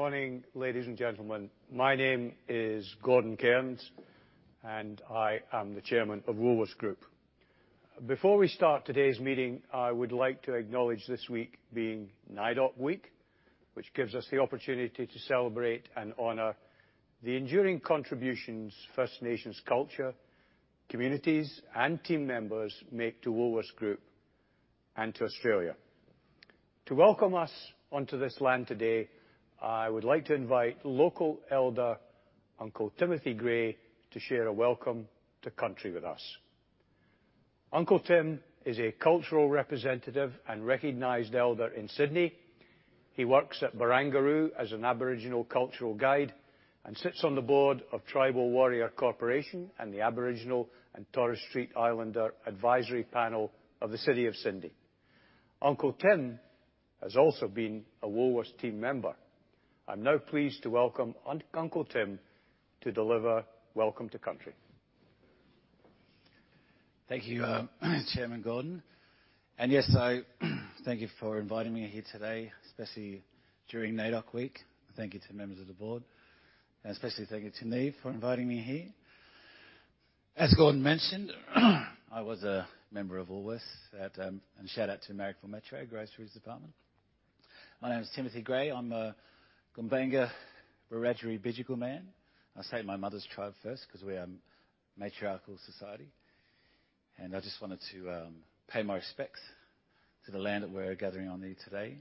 Good morning, ladies and gentlemen. My name is Gordon Cairns, and I am the Chairman of Woolworths Group. Before we start today's meeting, I would like to acknowledge this week being NAIDOC Week, which gives us the opportunity to celebrate and honor the enduring contributions First Nations culture, communities, and team members make to Woolworths Group and to Australia. To welcome us onto this land today, I would like to invite local elder, Uncle Timothy Gray, to share a welcome to country with us. Uncle Tim is a cultural representative and recognized elder in Sydney. He works at Barangaroo as an Aboriginal cultural guide and sits on the board of Tribal Warrior Corporation and the Aboriginal and Torres Strait Islander Advisory Panel of the City of Sydney. Uncle Tim has also been a Woolworths team member. I'm now pleased to welcome Uncle Tim to deliver Welcome to Country. Thank you, Chairman Gordon. Yes, so thank you for inviting me here today, especially during NAIDOC Week. Thank you to members of the board, and especially thank you to Niamh for inviting me here. As Gordon mentioned, I was a member of Woolworths at, and shout out to Marrickville Metro Groceries Department. My name is Timothy Gray. I'm a Gumbaynggirr-Birri Gubbi man. I say my mother's tribe first 'cause we are matriarchal society, and I just wanted to pay my respects to the land that we're gathering on here today,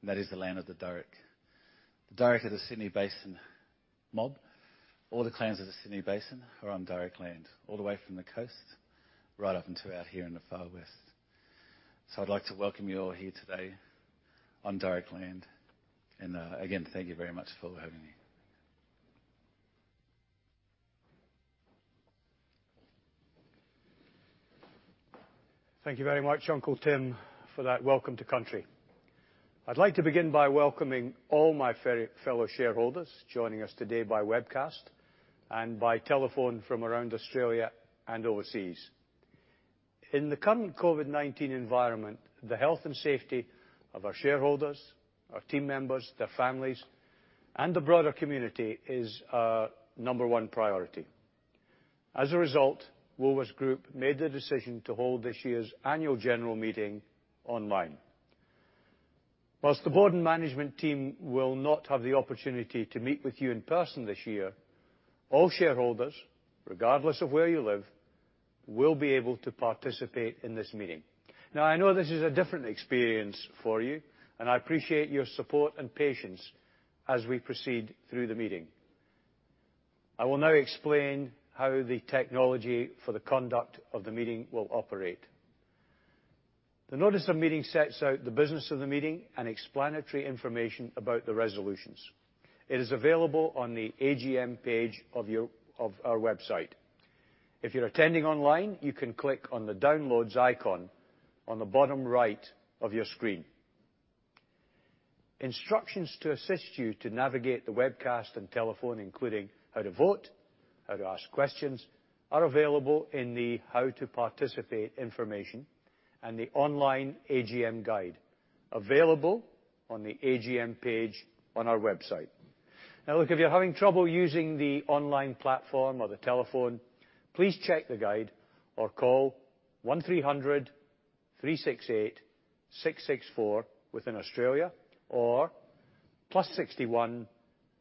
and that is the land of the Dharug. The Dharug of the Sydney Basin mob or the clans of the Sydney Basin are on Dharug land, all the way from the coast, right up into out here in the Far West. So I'd like to welcome you all here today on Dharug land, and again, thank you very much for having me. Thank you very much, Uncle Tim, for that Welcome to Country. I'd like to begin by welcoming all my fellow shareholders joining us today by webcast and by telephone from around Australia and overseas. In the current COVID-19 environment, the health and safety of our shareholders, our team members, their families, and the broader community is our number one priority. As a result, Woolworths Group made the decision to hold this year's Annual General Meeting online. While the board and management team will not have the opportunity to meet with you in person this year, all shareholders, regardless of where you live, will be able to participate in this meeting. Now, I know this is a different experience for you, and I appreciate your support and patience as we proceed through the meeting. I will now explain how the technology for the conduct of the meeting will operate. The Notice of Meeting sets out the business of the meeting and explanatory information about the resolutions. It is available on the AGM page of our website. If you're attending online, you can click on the Downloads icon on the bottom right of your screen. Instructions to assist you to navigate the webcast and telephone, including how to vote, how to ask questions, are available in the How to Participate information and the online AGM Guide, available on the AGM page on our website. Now, look, if you're having trouble using the online platform or the telephone, please check the guide or call one-three hundred-three-six-eight-six-six-four within Australia, or plus sixty-one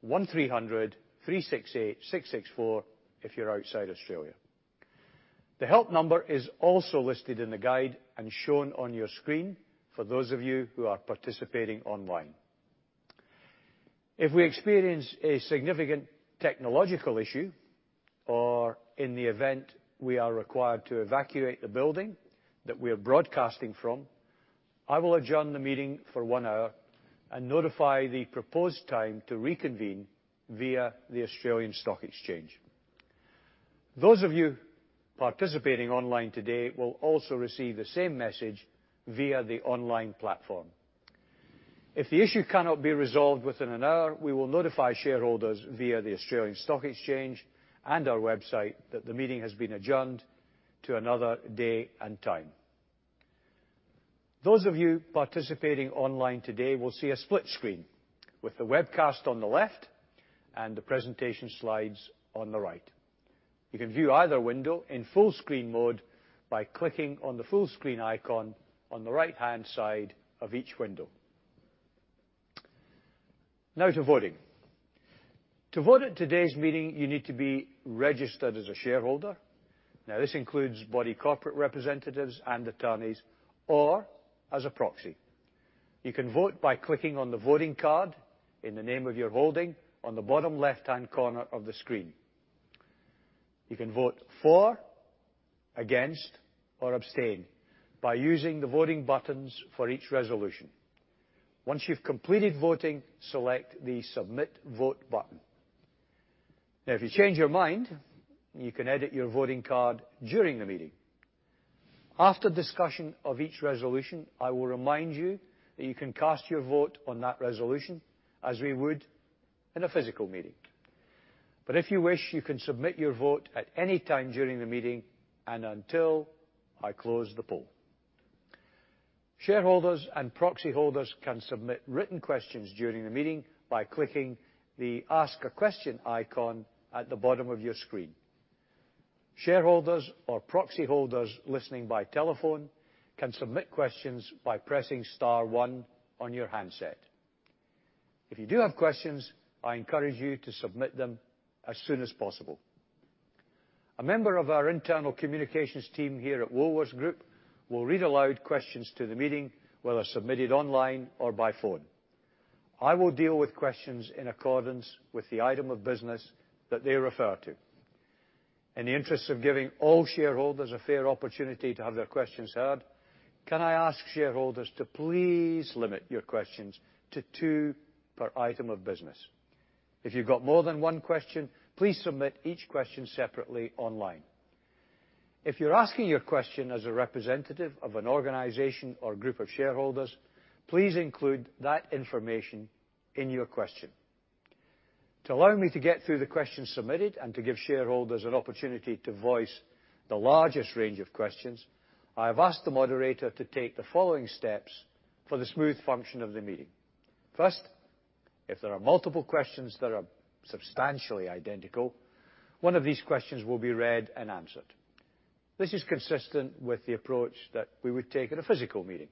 one-three hundred-three-six-eight-six-six-four if you're outside Australia. The help number is also listed in the guide and shown on your screen for those of you who are participating online. If we experience a significant technological issue, or in the event we are required to evacuate the building that we are broadcasting from, I will adjourn the meeting for one hour and notify the proposed time to reconvene via the Australian Stock Exchange. Those of you participating online today will also receive the same message via the online platform. If the issue cannot be resolved within an hour, we will notify shareholders via the Australian Stock Exchange and our website that the meeting has been adjourned to another day and time. Those of you participating online today will see a split screen, with the webcast on the left and the presentation slides on the right. You can view either window in full screen mode by clicking on the Full screen icon on the right-hand side of each window. Now to voting. To vote at today's meeting, you need to be registered as a shareholder. Now, this includes body corporate representatives and attorneys or as a proxy. You can vote by clicking on the voting card in the name of your holding on the bottom left-hand corner of the screen. You can vote for, against, or abstain by using the voting buttons for each resolution. Once you've completed voting, select the Submit Vote button. Now, if you change your mind, you can edit your voting card during the meeting. After discussion of each resolution, I will remind you that you can cast your vote on that resolution as we would in a physical meeting. But if you wish, you can submit your vote at any time during the meeting and until I close the poll. Shareholders and proxy holders can submit written questions during the meeting by clicking the Ask a Question icon at the bottom of your screen. Shareholders or proxy holders listening by telephone can submit questions by pressing star one on your handset. If you do have questions, I encourage you to submit them as soon as possible. A member of our internal communications team here at Woolworths Group will read aloud questions to the meeting, whether submitted online or by phone. I will deal with questions in accordance with the item of business that they refer to. In the interest of giving all shareholders a fair opportunity to have their questions heard, can I ask shareholders to please limit your questions to two per item of business? If you've got more than one question, please submit each question separately online. If you're asking your question as a representative of an organization or group of shareholders, please include that information in your question. To allow me to get through the questions submitted and to give shareholders an opportunity to voice the largest range of questions, I have asked the moderator to take the following steps for the smooth function of the meeting. First, if there are multiple questions that are substantially identical, one of these questions will be read and answered. This is consistent with the approach that we would take at a physical meeting.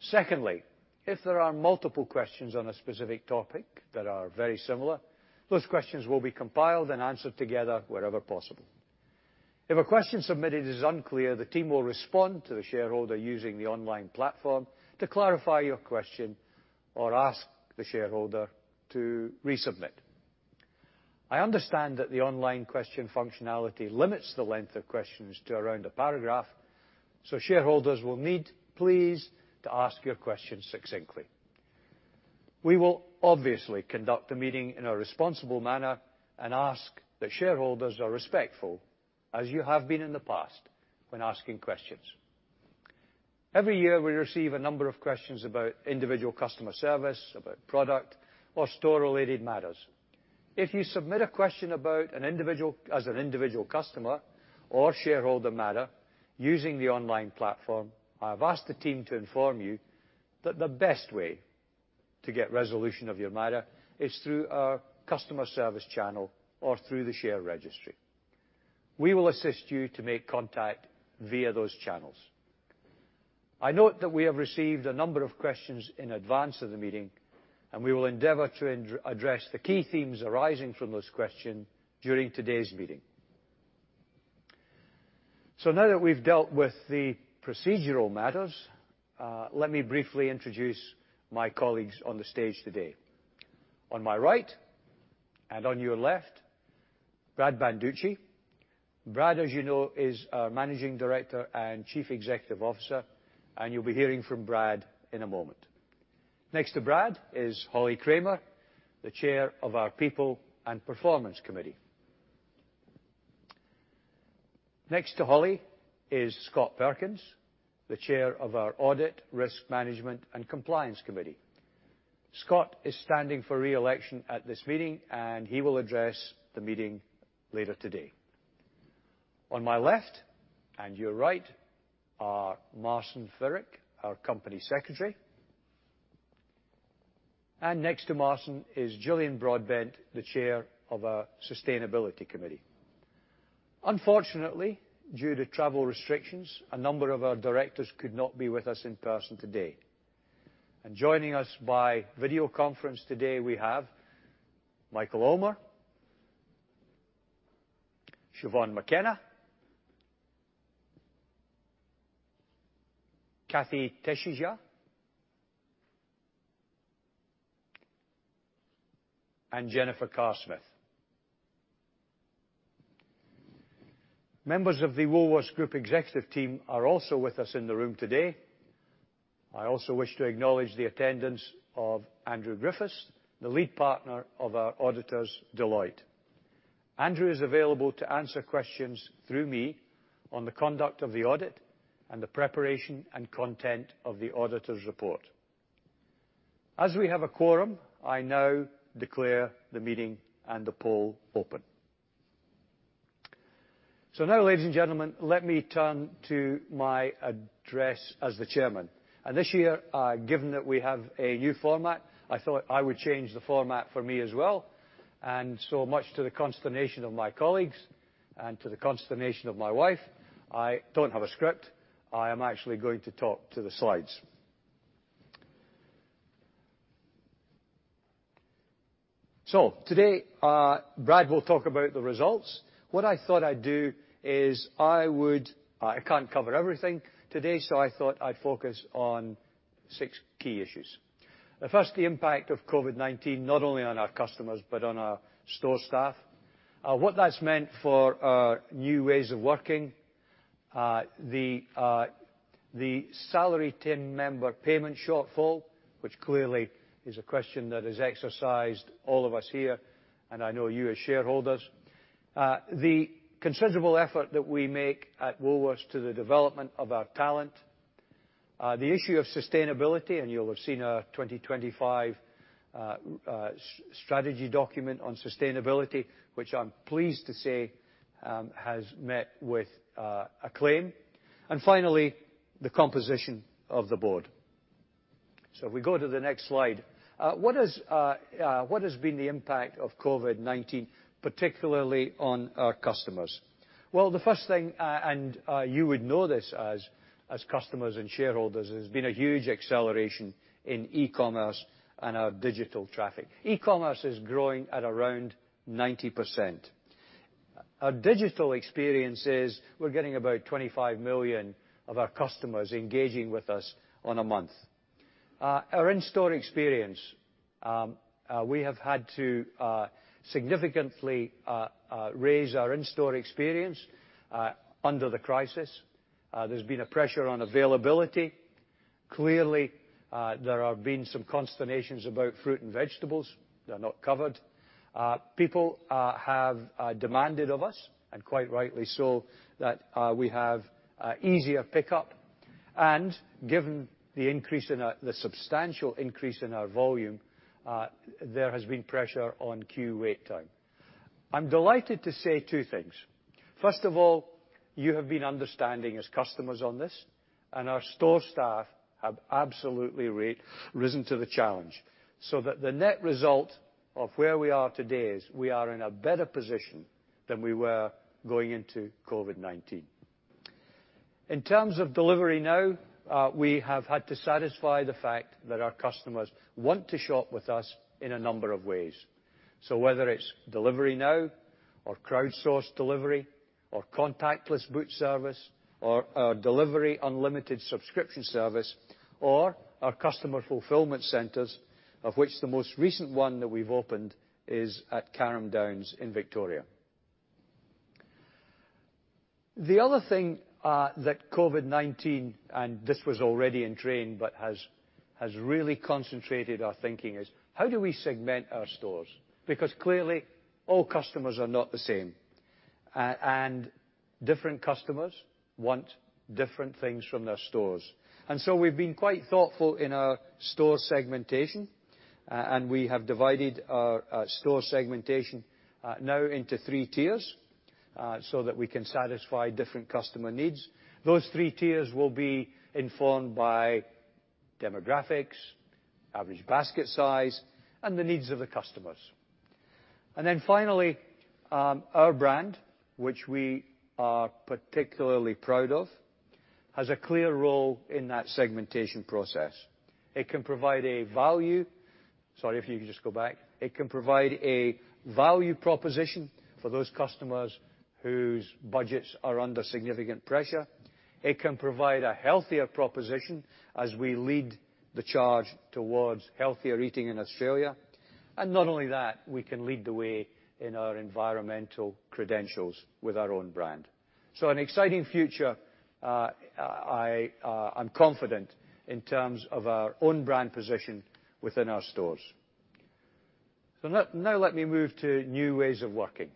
Secondly, if there are multiple questions on a specific topic that are very similar, those questions will be compiled and answered together wherever possible. If a question submitted is unclear, the team will respond to the shareholder using the online platform to clarify your question or ask the shareholder to resubmit. I understand that the online question functionality limits the length of questions to around a paragraph, so shareholders will need, please, to ask your questions succinctly. We will obviously conduct the meeting in a responsible manner and ask that shareholders are respectful, as you have been in the past, when asking questions. Every year, we receive a number of questions about individual customer service, about product or store-related matters. If you submit a question about an individual, as an individual customer or shareholder matter using the online platform, I have asked the team to inform you that the best way to get resolution of your matter is through our customer service channel or through the share registry. We will assist you to make contact via those channels. I note that we have received a number of questions in advance of the meeting, and we will endeavor to address the key themes arising from this question during today's meeting. So now that we've dealt with the procedural matters, let me briefly introduce my colleagues on the stage today. On my right, and on your left, Brad Banducci. Brad, as you know, is our Managing Director and Chief Executive Officer, and you'll be hearing from Brad in a moment. Next to Brad is Holly Kramer, the Chair of our People and Performance Committee. Next to Holly is Scott Perkins, the Chair of our Audit, Risk Management, and Compliance Committee. Scott is standing for re-election at this meeting, and he will address the meeting later today. On my left, and your right, are Marcin Firek, our Company Secretary. Next to Marcin is Gillian Broadbent, the Chair of our Sustainability Committee. Unfortunately, due to travel restrictions, a number of our directors could not be with us in person today. Joining us by video conference today, we have Michael Ullmer, Siobhan McKenna, Kathee Tesija, and Jennifer Carr-Smith. Members of the Woolworths Group executive team are also with us in the room today. I also wish to acknowledge the attendance of Andrew Griffiths, the lead partner of our auditors, Deloitte. Andrew is available to answer questions through me on the conduct of the audit and the preparation and content of the auditor's report. As we have a quorum, I now declare the meeting and the poll open. Now, ladies and gentlemen, let me turn to my address as the chairman. This year, given that we have a new format, I thought I would change the format for me as well. And so much to the consternation of my colleagues and to the consternation of my wife, I don't have a script. I am actually going to talk to the slides. So today, Brad will talk about the results. What I thought I'd do is I can't cover everything today, so I thought I'd focus on six key issues. First, the impact of COVID-19, not only on our customers, but on our store staff. What that's meant for new ways of working. The salaried team member payment shortfall, which clearly is a question that has exercised all of us here, and I know you as shareholders. The considerable effort that we make at Woolworths to the development of our talent. The issue of sustainability, and you'll have seen our 2025 strategy document on sustainability, which I'm pleased to say has met with acclaim. And finally, the composition of the board. If we go to the next slide, what has been the impact of COVID-19, particularly on our customers? The first thing, and you would know this as customers and shareholders, there's been a huge acceleration in e-commerce and our digital traffic. E-commerce is growing at around 90%. Our digital experience is we're getting about 25 million of our customers engaging with us on a month. Our in-store experience, we have had to significantly raise our in-store experience under the crisis. There's been a pressure on availability. Clearly, there have been some consternations about fruit and vegetables. They're not covered. People have demanded of us, and quite rightly so, that we have easier pickup. And given the substantial increase in our volume, there has been pressure on queue wait time. I'm delighted to say two things: First of all, you have been understanding as customers on this, and our store staff have absolutely risen to the challenge, so that the net result of where we are today is we are in a better position than we were going into COVID-19. In terms of delivery now, we have had to satisfy the fact that our customers want to shop with us in a number of ways. So whether it's Delivery Now or crowdsourced delivery or contactless boot service or our Delivery Unlimited subscription service or our customer fulfilment centres, of which the most recent one that we've opened is at Carrum Downs in Victoria. The other thing that COVID-19, and this was already in train, but has really concentrated our thinking, is how do we segment our stores? Because clearly, all customers are not the same, and different customers want different things from their stores. And so we've been quite thoughtful in our store segmentation, and we have divided our store segmentation now into three tiers, so that we can satisfy different customer needs. Those three tiers will be informed by demographics, average basket size, and the needs of the customers. And then finally, our brand, which we are particularly proud of, has a clear role in that segmentation process. It can provide a value proposition for those customers whose budgets are under significant pressure. It can provide a healthier proposition as we lead the charge towards healthier eating in Australia. And not only that, we can lead the way in our environmental credentials with our own brand. So an exciting future. I'm confident in terms of our own brand position within our stores. So now let me move to new ways of working.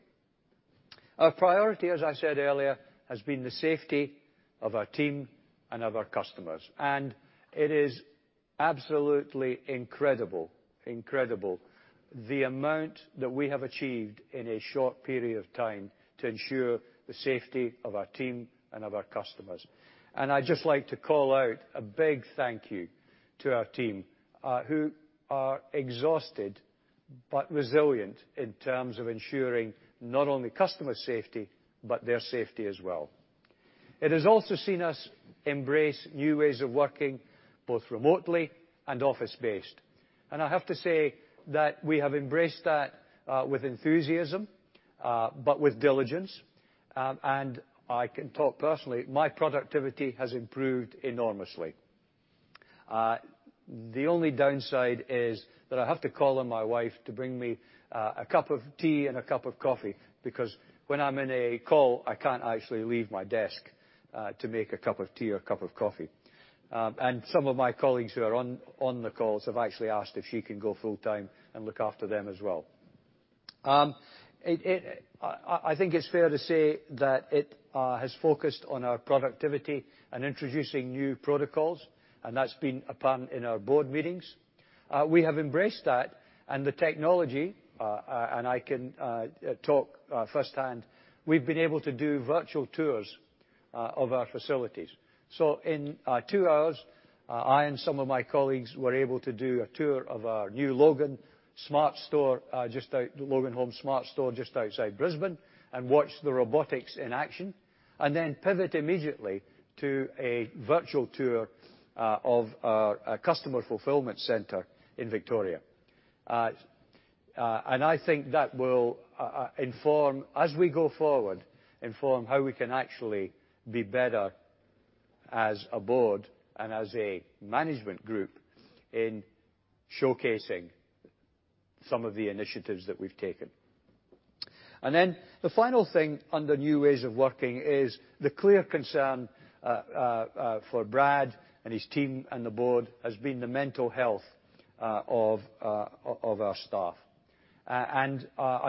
Our priority, as I said earlier, has been the safety of our team and of our customers, and it is absolutely incredible, incredible, the amount that we have achieved in a short period of time to ensure the safety of our team and of our customers. And I'd just like to call out a big thank you to our team, who are exhausted, but resilient in terms of ensuring not only customer safety, but their safety as well. It has also seen us embrace new ways of working, both remotely and office-based. And I have to say that we have embraced that, with enthusiasm, but with diligence. And I can talk personally, my productivity has improved enormously. The only downside is that I have to call on my wife to bring me a cup of tea and a cup of coffee, because when I'm in a call, I can't actually leave my desk to make a cup of tea or a cup of coffee, and some of my colleagues who are on the calls have actually asked if she can go full time and look after them as well. I think it's fair to say that it has focused on our productivity and introducing new protocols, and that's been apparent in our board meetings. We have embraced that and the technology, and I can talk firsthand. We've been able to do virtual tours of our facilities. In two hours, I and some of my colleagues were able to do a tour of our new Loganholme Smart Store just outside Brisbane, and watch the robotics in action, and then pivot immediately to a virtual tour of our customer fulfillment center in Victoria. I think that will inform, as we go forward, how we can actually be better as a board and as a management group in showcasing some of the initiatives that we've taken. The final thing under new ways of working is the clear concern for Brad and his team and the board has been the mental health of our staff. I'm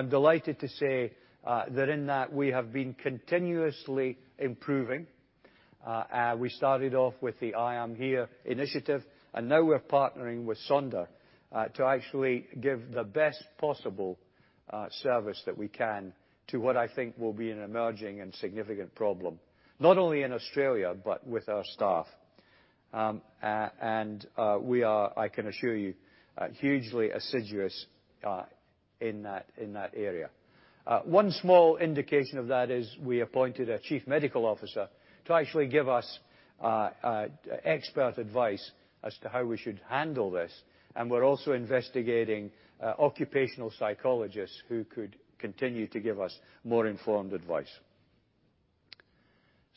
delighted to say that in that we have been continuously improving. We started off with the I Am Here initiative, and now we're partnering with Sonder to actually give the best possible service that we can to what I think will be an emerging and significant problem, not only in Australia, but with our staff, and we are, I can assure you, hugely assiduous in that area. One small indication of that is we appointed a chief medical officer to actually give us expert advice as to how we should handle this, and we're also investigating occupational psychologists who could continue to give us more informed advice.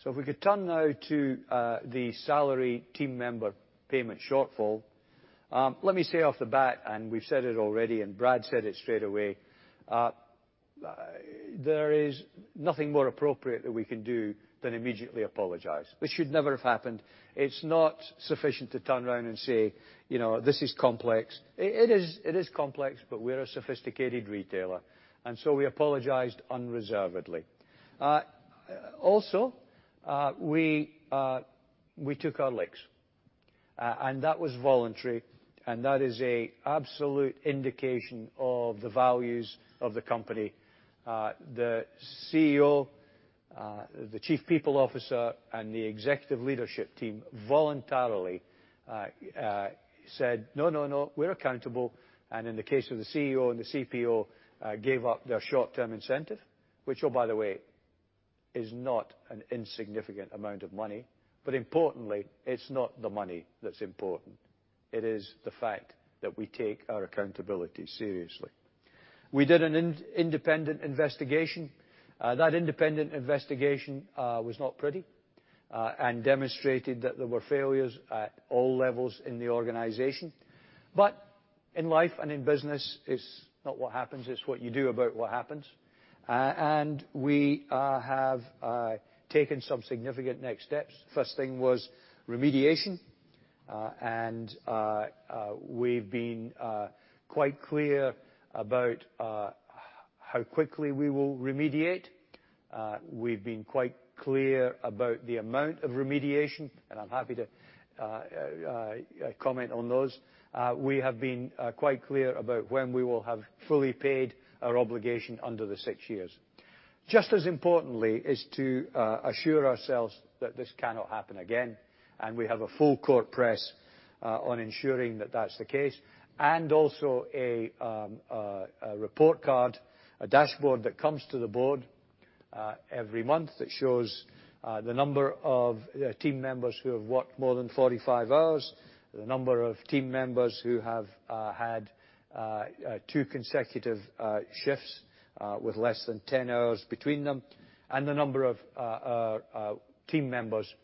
So if we could turn now to the salary team member payment shortfall. Let me say off the bat, and we've said it already, and Brad said it straight away, there is nothing more appropriate that we can do than immediately apologize. This should never have happened. It's not sufficient to turn around and say, "You know, this is complex." It is complex, but we're a sophisticated retailer, and so we apologized unreservedly. Also, we took our licks, and that was voluntary, and that is an absolute indication of the values of the company. The CEO, the chief people officer, and the executive leadership team voluntarily said, "No, no, no, we're accountable," and in the case of the CEO and the CPO, gave up their short-term incentive, which, oh, by the way, is not an insignificant amount of money. But importantly, it's not the money that's important, it is the fact that we take our accountability seriously. We did an independent investigation. That independent investigation was not pretty and demonstrated that there were failures at all levels in the organization. But in life and in business, it's not what happens, it's what you do about what happens. And we have taken some significant next steps. First thing was remediation, and we've been quite clear about how quickly we will remediate. We've been quite clear about the amount of remediation, and I'm happy to comment on those. We have been quite clear about when we will have fully paid our obligation under the six years. Just as importantly is to assure ourselves that this cannot happen again, and we have a full court press on ensuring that that's the case, and also a report card, a dashboard that comes to the board every month, that shows the number of team members who have worked more than 45 hours, the number of team members who have had two consecutive shifts with less than 10 hours between them, and the number of team members who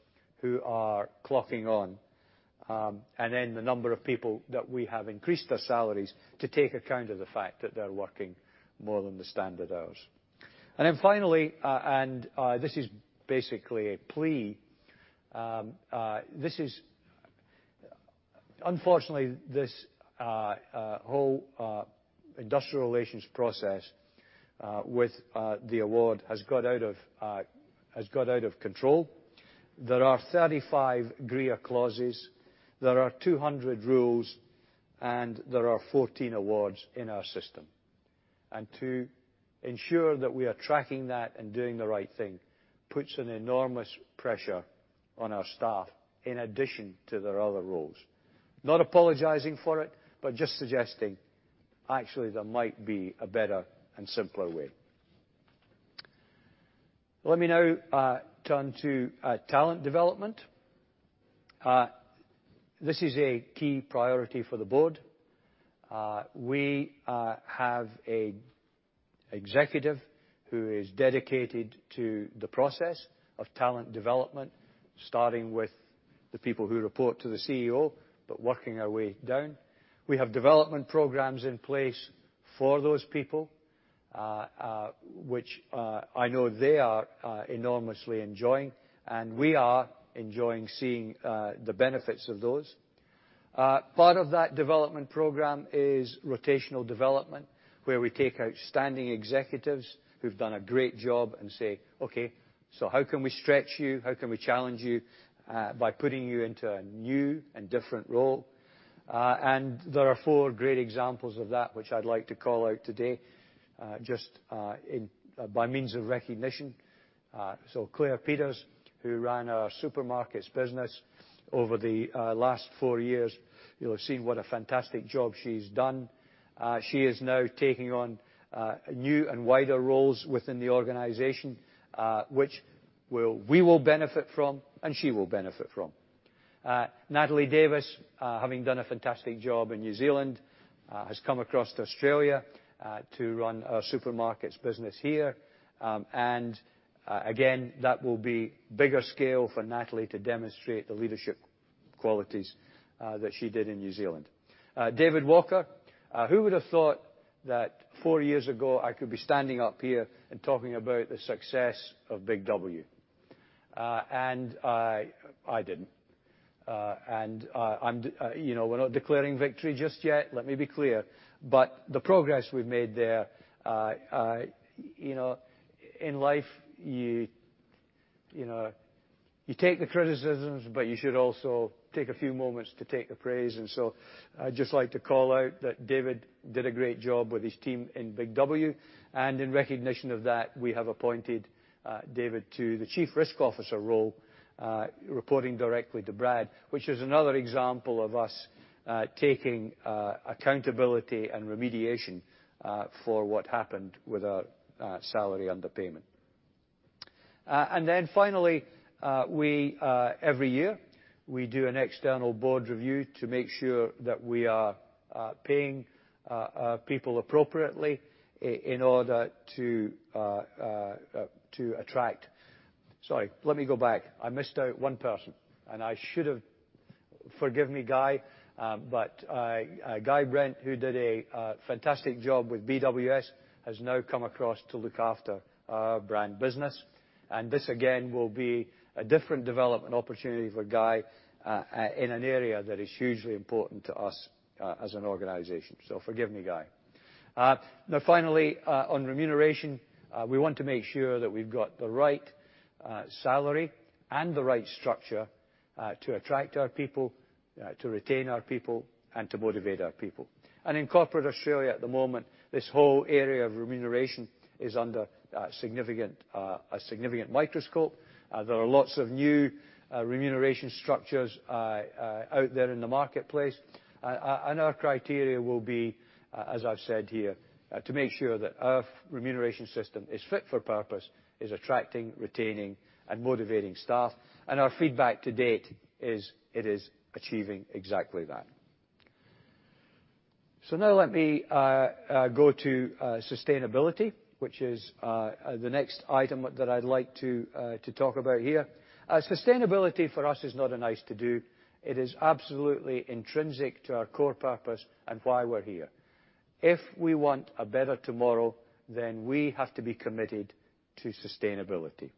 are clocking on, and then the number of people that we have increased their salaries to take account of the fact that they're working more than the standard hours, and then finally, and this is basically a plea, this is... Unfortunately, this whole industrial relations process with the award has got out of control. There are 35 GRIA clauses, there are 200 rules, and there are 14 awards in our system, and to ensure that we are tracking that and doing the right thing puts an enormous pressure on our staff, in addition to their other roles. Not apologizing for it, but just suggesting actually there might be a better and simpler way. Let me now turn to talent development. This is a key priority for the board. We have an executive who is dedicated to the process of talent development, starting with the people who report to the CEO, but working our way down. We have development programs in place for those people, which I know they are enormously enjoying, and we are enjoying seeing the benefits of those. Part of that development program is rotational development, where we take outstanding executives who've done a great job and say, "Okay, so how can we stretch you? How can we challenge you by putting you into a new and different role?" And there are four great examples of that, which I'd like to call out today just by means of recognition. So Claire Peters, who ran our supermarkets business over the last four years, you'll have seen what a fantastic job she's done. She is now taking on new and wider roles within the organization, which will- we will benefit from, and she will benefit from. Natalie Davis, having done a fantastic job in New Zealand, has come across to Australia, to run our supermarkets business here. And, again, that will be bigger scale for Natalie to demonstrate the leadership qualities, that she did in New Zealand. David Walker, who would have thought that four years ago, I could be standing up here and talking about the success of Big W? And I, I didn't. And, I'm, you know, we're not declaring victory just yet, let me be clear, but the progress we've made there, you know, in life, you know, you take the criticisms, but you should also take a few moments to take the praise. I'd just like to call out that David did a great job with his team in Big W, and in recognition of that, we have appointed David to the Chief Risk Officer role, reporting directly to Brad, which is another example of us taking accountability and remediation for what happened with our salary underpayment. And then finally, every year, we do an external board review to make sure that we are paying people appropriately in order to attract-- Sorry, let me go back. I missed out one person, and I should have... Forgive me, Guy, but Guy Brent, who did a fantastic job with BWS, has now come across to look after our brand business. This, again, will be a different development opportunity for Guy, in an area that is hugely important to us, as an organization. So forgive me, Guy. Now, finally, on remuneration, we want to make sure that we've got the right salary and the right structure, to attract our people, to retain our people, and to motivate our people. And in corporate Australia at the moment, this whole area of remuneration is under a significant microscope. There are lots of new remuneration structures out there in the marketplace. And our criteria will be, as I've said here, to make sure that our remuneration system is fit for purpose, is attracting, retaining, and motivating staff. And our feedback to date is, it is achieving exactly that. So now let me go to sustainability, which is the next item that I'd like to talk about here. Sustainability for us is not a nice to do. It is absolutely intrinsic to our core purpose and why we're here. If we want a better tomorrow, then we have to be committed to sustainability,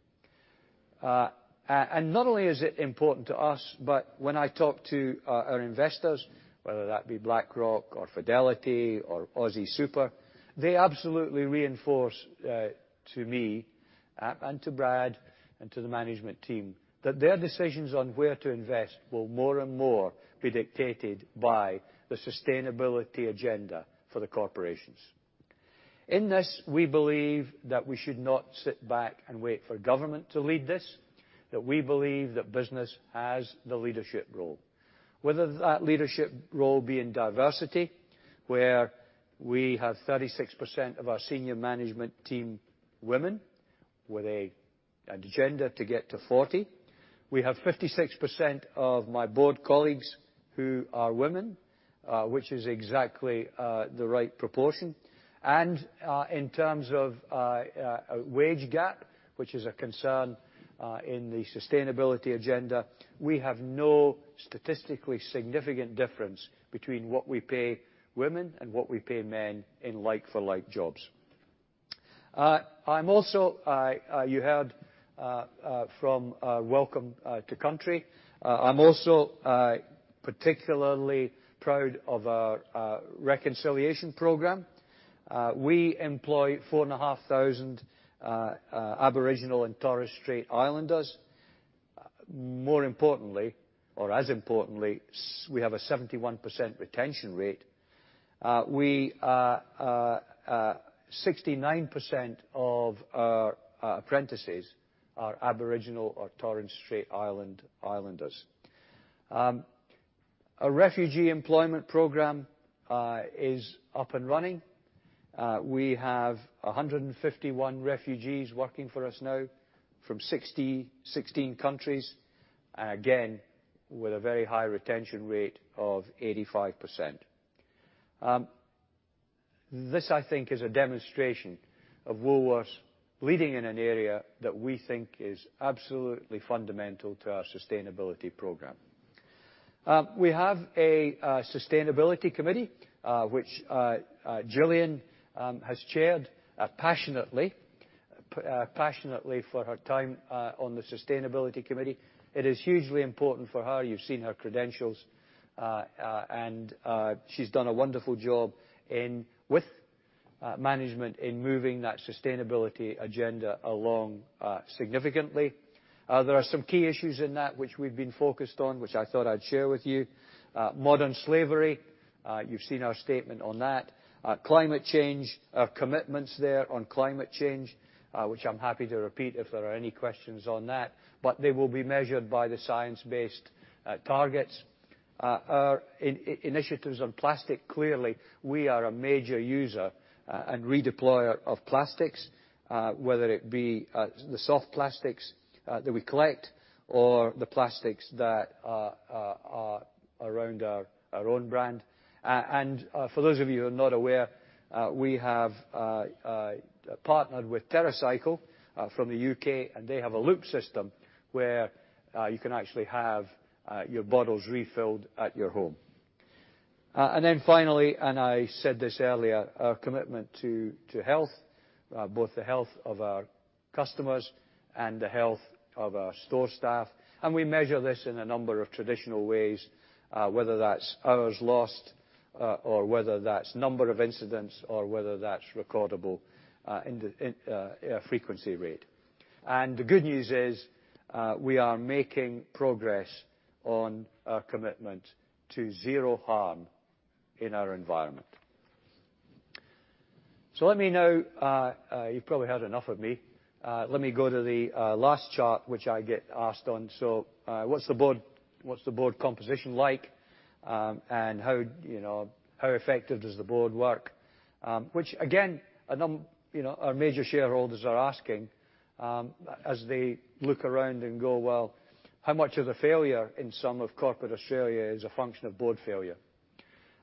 and not only is it important to us, but when I talk to our investors, whether that be BlackRock or Fidelity or Aussie Super, they absolutely reinforce to me and to Brad and to the management team, that their decisions on where to invest will more and more be dictated by the sustainability agenda for the corporations. In this, we believe that we should not sit back and wait for government to lead this, that business has the leadership role. Whether that leadership role be in diversity, where we have 36% of our senior management team women, with an agenda to get to 40. We have 56% of my board colleagues who are women, which is exactly the right proportion. And in terms of wage gap, which is a concern in the sustainability agenda, we have no statistically significant difference between what we pay women and what we pay men in like-for-like jobs. I'm also you heard from Welcome to Country. I'm also particularly proud of our reconciliation program. We employ 4,500 Aboriginal and Torres Strait Islanders. More importantly, or as importantly, we have a 71% retention rate. We 69% of our apprentices are Aboriginal or Torres Strait Islander. Our refugee employment program is up and running. We have 151 refugees working for us now from 16 countries, again, with a very high retention rate of 85%. This, I think, is a demonstration of Woolworths leading in an area that we think is absolutely fundamental to our sustainability program. We have a sustainability committee which Gillian has chaired passionately for her time on the sustainability committee. It is hugely important for her. You've seen her credentials, and she's done a wonderful job in, with, management in moving that sustainability agenda along, significantly. There are some key issues in that which we've been focused on, which I thought I'd share with you. Modern slavery, you've seen our statement on that. Climate change, commitments there on climate change, which I'm happy to repeat if there are any questions on that, but they will be measured by the science-based targets. Our initiatives on plastic, clearly, we are a major user and redeployer of plastics, whether it be the soft plastics that we collect or the plastics that are around our own brand, and for those of you who are not aware, we have partnered with TerraCycle from the U.K., and they have a Loop system where you can actually have your bottles refilled at your home. Then finally, and I said this earlier, our commitment to health, both the health of our customers and the health of our store staff, and we measure this in a number of traditional ways, whether that's hours lost, or whether that's number of incidents, or whether that's recordable injury frequency rate. The good news is, we are making progress on our commitment to zero harm in our environment. So let me now, you've probably heard enough of me. Let me go to the last chart, which I get asked on. So, what's the board composition like, and how, you know, how effective does the board work? Which again, you know, our major shareholders are asking, as they look around and go, "Well, how much of the failure in some of corporate Australia is a function of board failure?"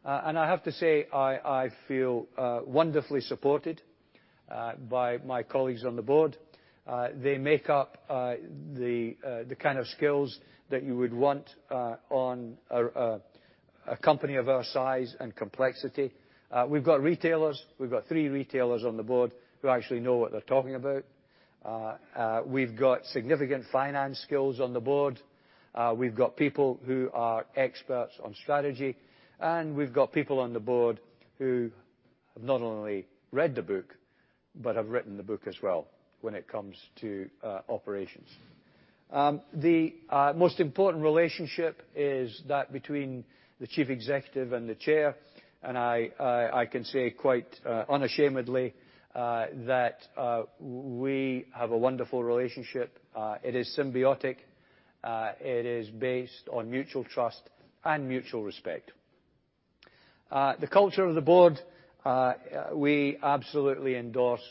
And I have to say, I feel wonderfully supported by my colleagues on the board. They make up the kind of skills that you would want on a company of our size and complexity. We've got retailers. We've got three retailers on the board who actually know what they're talking about. We've got significant finance skills on the board. We've got people who are experts on strategy, and we've got people on the board who have not only read the book, but have written the book as well when it comes to operations. The most important relationship is that between the chief executive and the chair, and I can say quite unashamedly that we have a wonderful relationship. It is symbiotic. It is based on mutual trust and mutual respect. The culture of the board we absolutely endorse.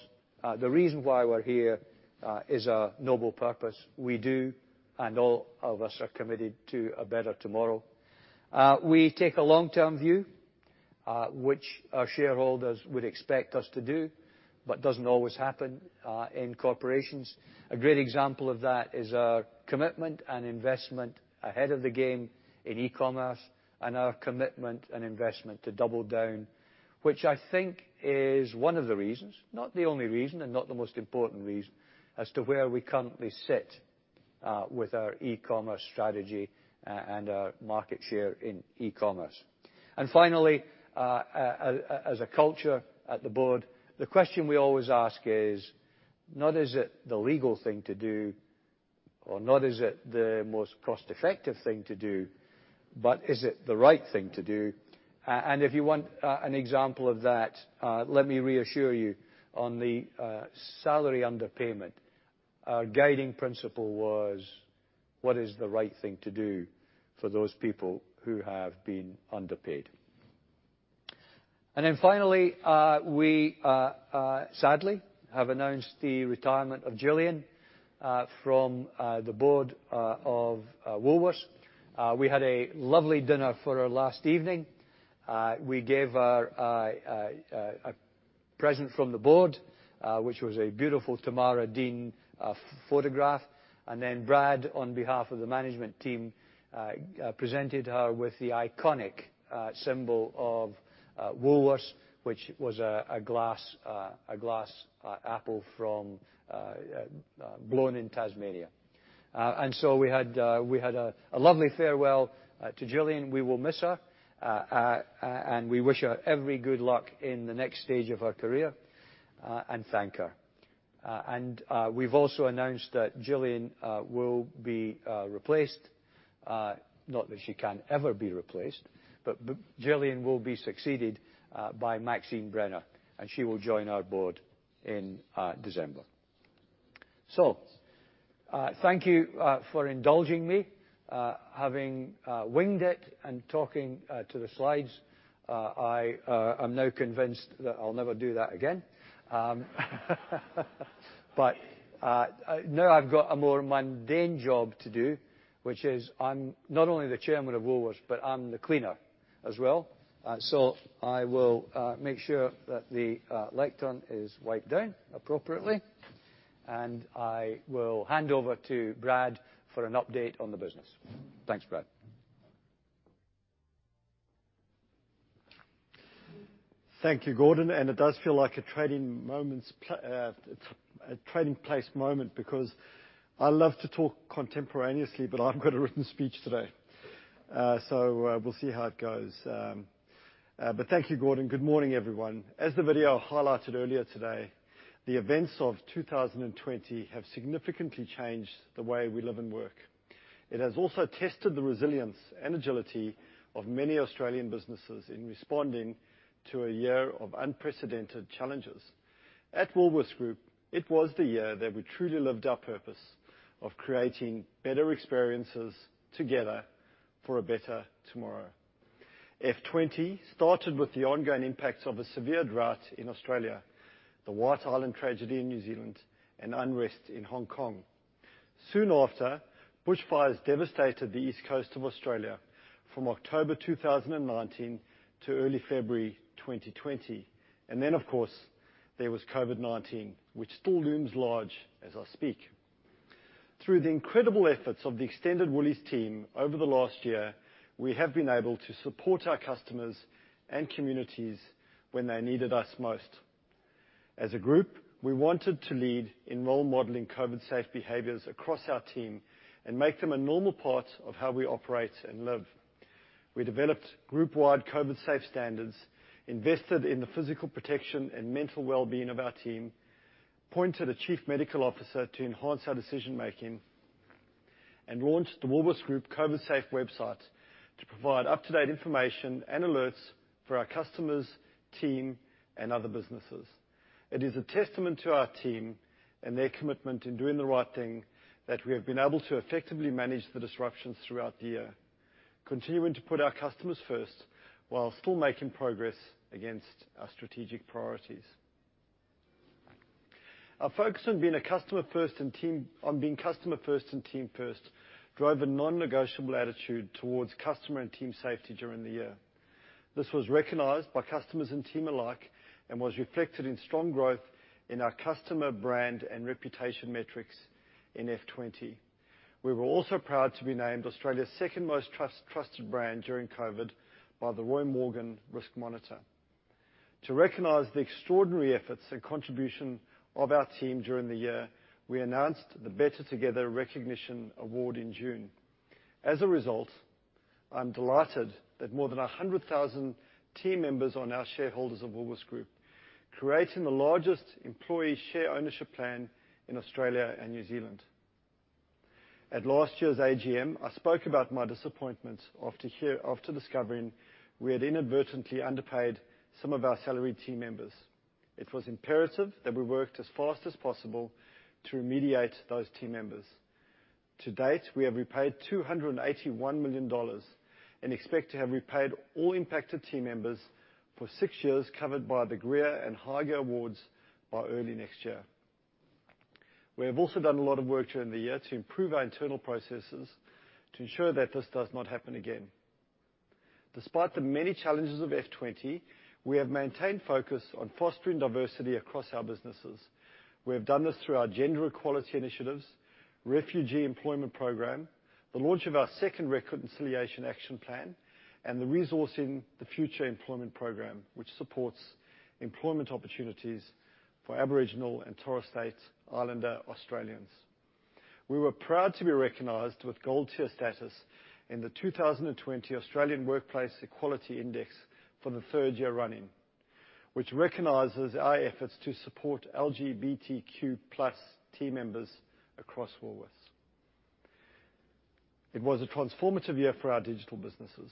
The reason why we're here is a noble purpose. We do, and all of us are committed to a better tomorrow. We take a long-term view which our shareholders would expect us to do, but doesn't always happen in corporations. A great example of that is our commitment and investment ahead of the game in e-commerce, and our commitment and investment to double down, which I think is one of the reasons, not the only reason, and not the most important reason, as to where we currently sit, with our e-commerce strategy, and our market share in e-commerce. And finally, as a culture at the board, the question we always ask is not is it the legal thing to do or not is it the most cost-effective thing to do, but is it the right thing to do? And if you want, an example of that, let me reassure you on the salary underpayment, our guiding principle was, what is the right thing to do for those people who have been underpaid? And then finally, we sadly have announced the retirement of Gillian from the board of Woolworths. We had a lovely dinner for her last evening. We gave her a present from the board, which was a beautiful Tamara Dean photograph. And then Brad, on behalf of the management team, presented her with the iconic symbol of Woolworths, which was a glass apple blown in Tasmania. And so we had a lovely farewell to Gillian. We will miss her, and we wish her every good luck in the next stage of her career, and thank her. We've also announced that Gillian will be replaced, not that she can ever be replaced, but Gillian will be succeeded by Maxine Brenner, and she will join our board in December. Thank you for indulging me. Having winged it and talking to the slides, I am now convinced that I'll never do that again. Now I've got a more mundane job to do, which is I'm not only the chairman of Woolworths, but I'm the cleaner as well. I will make sure that the lectern is wiped down appropriately, and I will hand over to Brad for an update on the business. Thanks, Brad. Thank you, Gordon, and it does feel like a trading place moment, because I love to talk contemporaneously, but I've got a written speech today. So, we'll see how it goes. But thank you, Gordon. Good morning, everyone. As the video highlighted earlier today, the events of 2020 have significantly changed the way we live and work. It has also tested the resilience and agility of many Australian businesses in responding to a year of unprecedented challenges. At Woolworths Group, it was the year that we truly lived our purpose of creating better experiences together for a better tomorrow. F20 started with the ongoing impacts of a severe drought in Australia, the White Island tragedy in New Zealand, and unrest in Hong Kong. Soon after, bushfires devastated the east coast of Australia from October 2019 to early February 2020. And then, of course, there was COVID-19, which still looms large as I speak. Through the incredible efforts of the extended Woolies team over the last year, we have been able to support our customers and communities when they needed us most. As a group, we wanted to lead in role-modeling COVID safe behaviors across our team and make them a normal part of how we operate and live... We developed group-wide COVID safe standards, invested in the physical protection and mental well-being of our team, appointed a chief medical officer to enhance our decision making, and launched the Woolworths Group COVID safe website to provide up-to-date information and alerts for our customers, team, and other businesses. It is a testament to our team and their commitment in doing the right thing, that we have been able to effectively manage the disruptions throughout the year, continuing to put our customers first, while still making progress against our strategic priorities. Our focus on being customer first and team first drove a non-negotiable attitude towards customer and team safety during the year. This was recognized by customers and team alike, and was reflected in strong growth in our customer brand and reputation metrics in F20. We were also proud to be named Australia's second most trusted brand during COVID by the Roy Morgan Risk Monitor. To recognize the extraordinary efforts and contribution of our team during the year, we announced the Better Together Recognition Award in June. As a result, I'm delighted that more than 100,000 team members are now shareholders of Woolworths Group, creating the largest employee share ownership plan in Australia and New Zealand. At last year's AGM, I spoke about my disappointment after discovering we had inadvertently underpaid some of our salaried team members. It was imperative that we worked as fast as possible to remediate those team members. To date, we have repaid 281 million dollars, and expect to have repaid all impacted team members for six years, covered by the GRIA and higher awards by early next year. We have also done a lot of work during the year to improve our internal processes to ensure that this does not happen again. Despite the many challenges of FY20, we have maintained focus on fostering diversity across our businesses. We have done this through our gender equality initiatives, refugee employment program, the launch of our second Reconciliation Action Plan, and the Resourcing the Future employment program, which supports employment opportunities for Aboriginal and Torres Strait Islander Australians. We were proud to be recognized with Gold Tier status in the 2020 Australian Workplace Equality Index for the third year running, which recognizes our efforts to support LGBTQ plus team members across Woolworths. It was a transformative year for our digital businesses.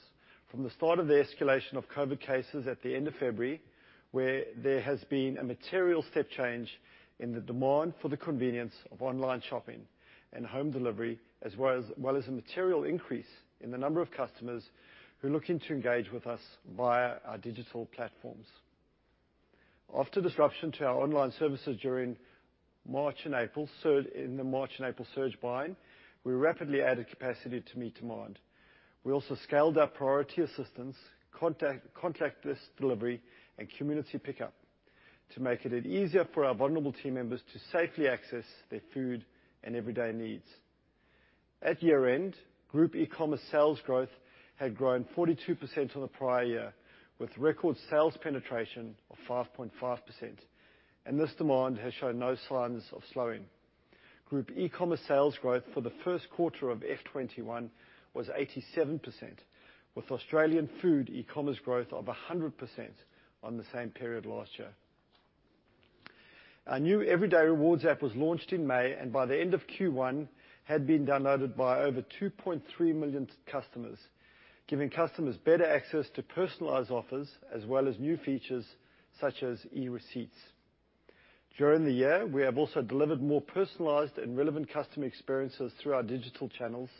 From the start of the escalation of COVID cases at the end of February, where there has been a material step change in the demand for the convenience of online shopping and home delivery, as well as a material increase in the number of customers who are looking to engage with us via our digital platforms. After disruption to our online services during March and April, in the March and April surge buying, we rapidly added capacity to meet demand. We also scaled up priority assistance, contactless delivery, and community pickup to make it easier for our vulnerable team members to safely access their food and everyday needs. At year-end, group e-commerce sales growth had grown 42% on the prior year, with record sales penetration of 5.5%, and this demand has shown no signs of slowing. Group e-commerce sales growth for the first quarter of F21 was 87%, with Australian food e-commerce growth of 100% on the same period last year. Our new Everyday Rewards app was launched in May, and by the end of Q1, had been downloaded by over 2.3 million customers, giving customers better access to personalized offers as well as new features such as e-receipts. During the year, we have also delivered more personalized and relevant customer experiences through our digital channels,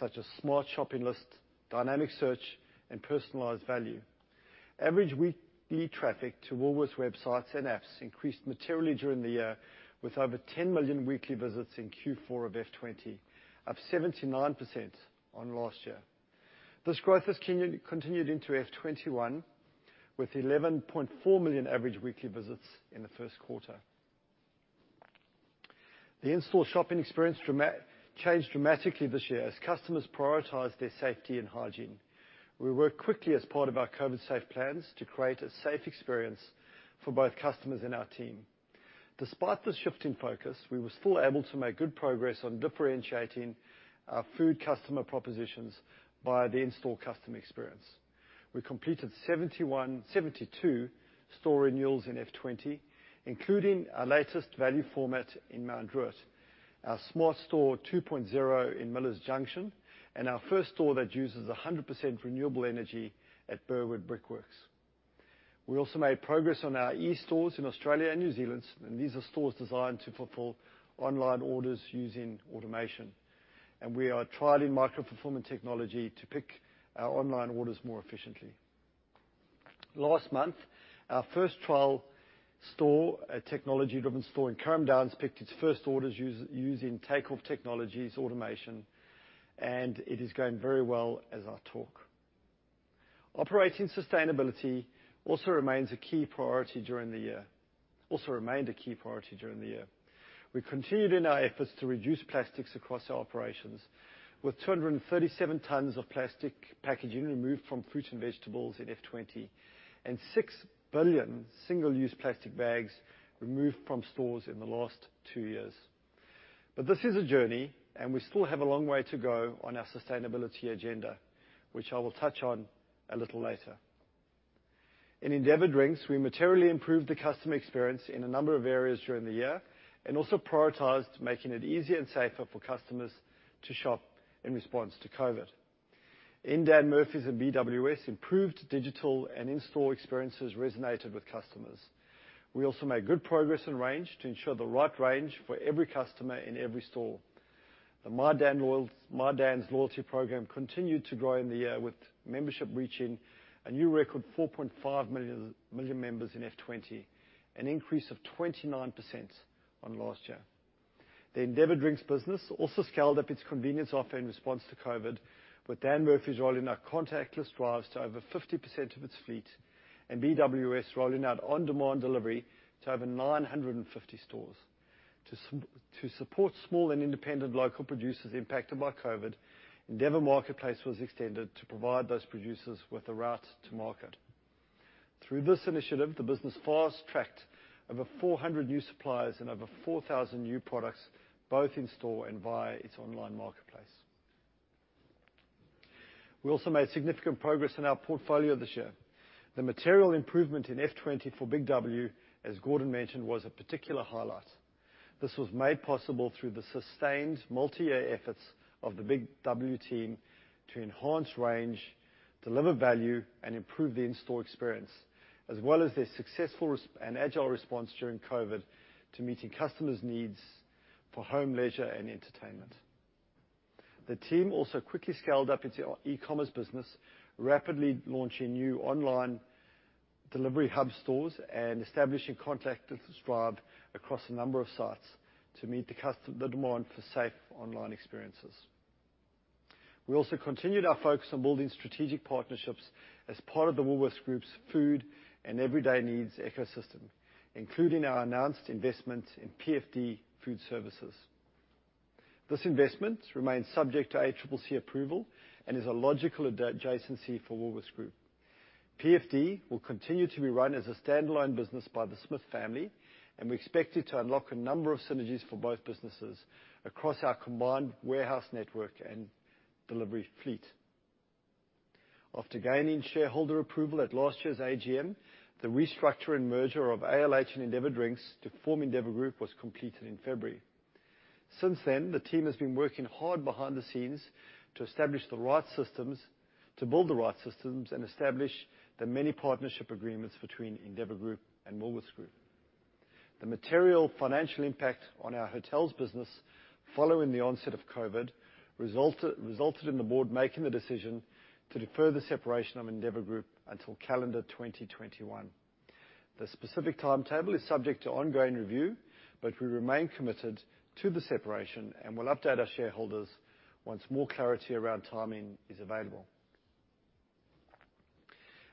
such as smart shopping lists, dynamic search, and personalized value. Average weekly traffic to Woolworths websites and apps increased materially during the year, with over 10 million weekly visits in Q4 of F20, up 79% on last year. This growth has continued into F21, with 11.4 million average weekly visits in the first quarter. The in-store shopping experience changed dramatically this year as customers prioritized their safety and hygiene. We worked quickly as part of our COVID safe plans to create a safe experience for both customers and our team. Despite the shift in focus, we were still able to make good progress on differentiating our food customer propositions by the in-store customer experience. We completed 72 store renewals in F20, including our latest value format in Mount Druitt, our Smart Store 2.0 in Millers Junction, and our first store that uses 100% renewable energy at Burwood Brickworks. We also made progress on our e stores in Australia and New Zealand, and these are stores designed to fulfill online orders using automation. And we are trialing micro-fulfillment technology to pick our online orders more efficiently. Last month, our first trial store, a technology-driven store in Carrum Downs, picked its first orders using Takeoff Technologies automation, and it is going very well as I talk. Operating sustainability also remained a key priority during the year. We continued in our efforts to reduce plastics across our operations, with two hundred and thirty-seven tons of plastic packaging removed from fruit and vegetables in F20, and six billion single-use plastic bags removed from stores in the last two years... But this is a journey, and we still have a long way to go on our sustainability agenda, which I will touch on a little later. In Endeavour Drinks, we materially improved the customer experience in a number of areas during the year, and also prioritized making it easier and safer for customers to shop in response to COVID. In Dan Murphy's and BWS, improved digital and in-store experiences resonated with customers. We also made good progress in range to ensure the right range for every customer in every store. The My Dan's Loyalty Program continued to grow in the year, with membership reaching a new record 4.5 million members in F20, an increase of 29% on last year. The Endeavour Drinks business also scaled up its convenience offer in response to COVID, with Dan Murphy's rolling out contactless drive-thrus to over 50% of its fleet, and BWS rolling out on-demand delivery to over 950 stores. To support small and independent local producers impacted by COVID, Endeavour Marketplace was extended to provide those producers with a route to market. Through this initiative, the business fast-tracked over 400 new suppliers and over 4,000 new products, both in-store and via its online marketplace. We also made significant progress in our portfolio this year. The material improvement in F20 for Big W, as Gordon mentioned, was a particular highlight. This was made possible through the sustained multi-year efforts of the Big W team to enhance range, deliver value, and improve the in-store experience, as well as their successful resilient and agile response during COVID to meeting customers' needs for home leisure and entertainment. The team also quickly scaled up its e-commerce business, rapidly launching new online delivery hub stores and establishing contactless drive-thru across a number of sites to meet the customer demand for safe online experiences. We also continued our focus on building strategic partnerships as part of the Woolworths Group's food and everyday needs ecosystem, including our announced investment in PFD Food Services. This investment remains subject to ACCC approval and is a logical adjacency for Woolworths Group. PFD will continue to be run as a standalone business by the Smith family, and we expect it to unlock a number of synergies for both businesses across our combined warehouse network and delivery fleet. After gaining shareholder approval at last year's AGM, the restructure and merger of ALH and Endeavour Drinks to form Endeavour Group was completed in February. Since then, the team has been working hard behind the scenes to establish the right systems, to build the right systems, and establish the many partnership agreements between Endeavour Group and Woolworths Group. The material financial impact on our hotels business following the onset of COVID resulted in the board making the decision to defer the separation of Endeavour Group until calendar twenty twenty-one. The specific timetable is subject to ongoing review, but we remain committed to the separation, and we'll update our shareholders once more clarity around timing is available.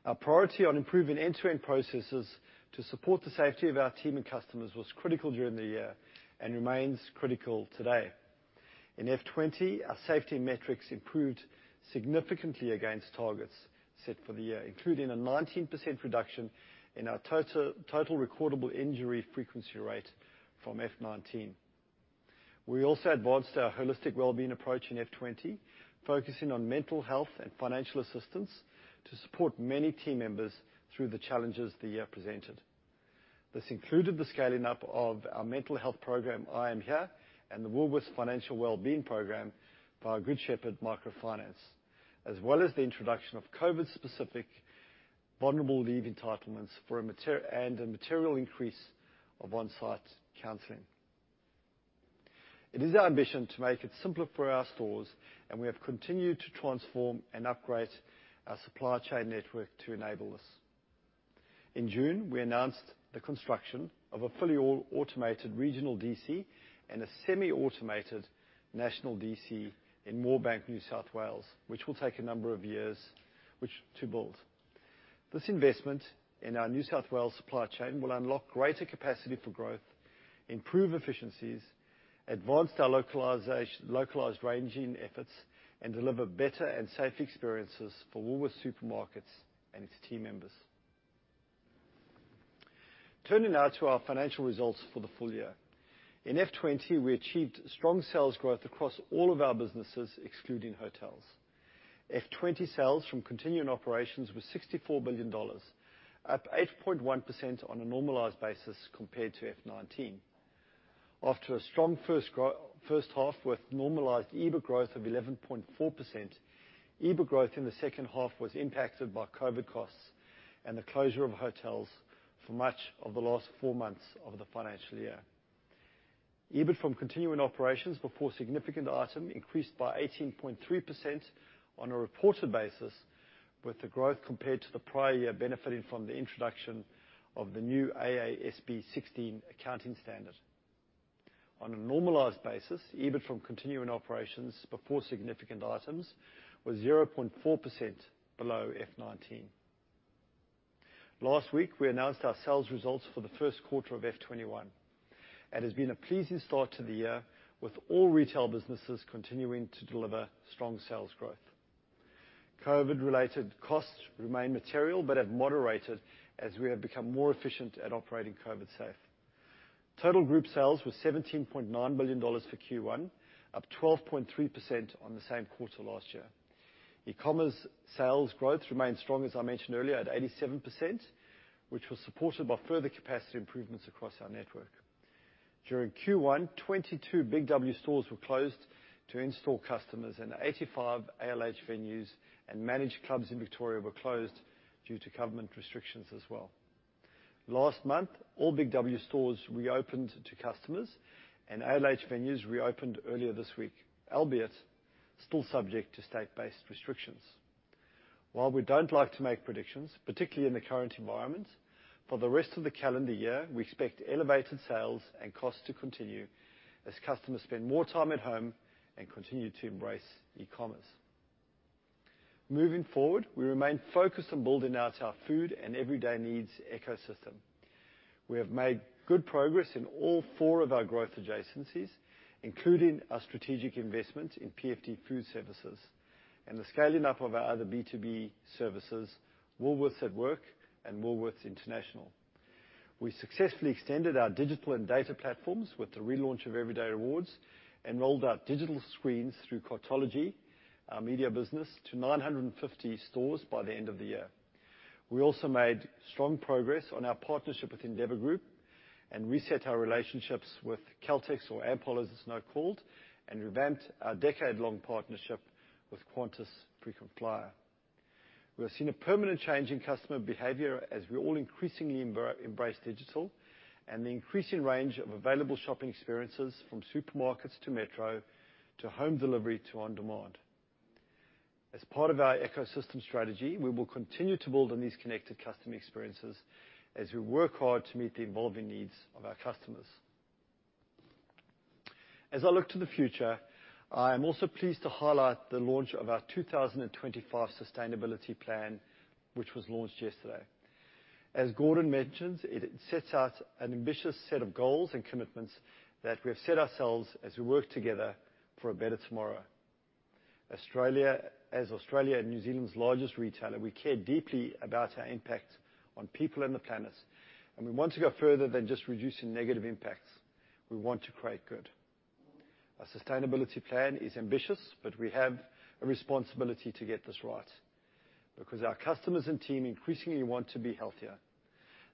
Our priority on improving end-to-end processes to support the safety of our team and customers was critical during the year and remains critical today. In F20, our safety metrics improved significantly against targets set for the year, including a 19% reduction in our total recordable injury frequency rate from F19. We also advanced our holistic wellbeing approach in F20, focusing on mental health and financial assistance to support many team members through the challenges the year presented. This included the scaling up of our mental health program, I Am Here, and the Woolworths Financial Wellbeing Program by our Good Shepherd Microfinance, as well as the introduction of COVID-specific vulnerable leave entitlements for a material increase of on-site counseling. It is our ambition to make it simpler for our stores, and we have continued to transform and upgrade our supply chain network to enable this. In June, we announced the construction of a fully automated regional DC and a semi-automated national DC in Moorebank, New South Wales, which will take a number of years to build. This investment in our New South Wales supply chain will unlock greater capacity for growth, improve efficiencies, advance our localization-localized ranging efforts, and deliver better and safer experiences for Woolworths Supermarkets and its team members. Turning now to our financial results for the full year. In F20, we achieved strong sales growth across all of our businesses, excluding hotels. F20 sales from continuing operations were 64 billion dollars, up 8.1% on a normalized basis compared to F19. After a strong first half with normalized EBIT growth of 11.4%, EBIT growth in the second half was impacted by COVID costs and the closure of hotels for much of the last four months of the financial year. EBIT from continuing operations before significant item increased by 18.3% on a reported basis, with the growth compared to the prior year benefiting from the introduction of the new AASB 16 accounting standard. On a normalized basis, EBIT from continuing operations before significant items was 0.4% below F19. Last week, we announced our sales results for the first quarter of F21. It has been a pleasing start to the year, with all retail businesses continuing to deliver strong sales growth. COVID-related costs remain material, but have moderated as we have become more efficient at operating COVID safe. Total group sales were 17.9 billion dollars for Q1, up 12.3% on the same quarter last year. E-commerce sales growth remained strong, as I mentioned earlier, at 87%, which was supported by further capacity improvements across our network. During Q1, 22 Big W stores were closed to in-store customers, and 85 ALH venues and managed clubs in Victoria were closed due to government restrictions as well. Last month, all Big W stores reopened to customers, and ALH venues reopened earlier this week, albeit still subject to state-based restrictions. While we don't like to make predictions, particularly in the current environment, for the rest of the calendar year, we expect elevated sales and costs to continue as customers spend more time at home and continue to embrace e-commerce. Moving forward, we remain focused on building out our food and everyday needs ecosystem. We have made good progress in all four of our growth adjacencies, including our strategic investment in PFD Food Services and the scaling up of our other B2B services, Woolworths at Work and Woolworths International. We successfully extended our digital and data platforms with the relaunch of Everyday Rewards and rolled out digital screens through Cartology, our media business, to 950 stores by the end of the year. We also made strong progress on our partnership with Endeavour Group and reset our relationships with Caltex, or Ampol, as it's now called, and revamped our decade-long partnership with Qantas Frequent Flyer. We have seen a permanent change in customer behavior as we all increasingly embrace digital and the increasing range of available shopping experiences, from supermarkets to metro, to home delivery, to on-demand. As part of our ecosystem strategy, we will continue to build on these connected customer experiences as we work hard to meet the evolving needs of our customers. As I look to the future, I am also pleased to highlight the launch of our 2025 sustainability plan, which was launched yesterday. As Gordon mentioned, it sets out an ambitious set of goals and commitments that we have set ourselves as we work together for a better tomorrow. As Australia and New Zealand's largest retailer, we care deeply about our impact on people and the planet, and we want to go further than just reducing negative impacts. We want to create good. Our sustainability plan is ambitious, but we have a responsibility to get this right, because our customers and team increasingly want to be healthier,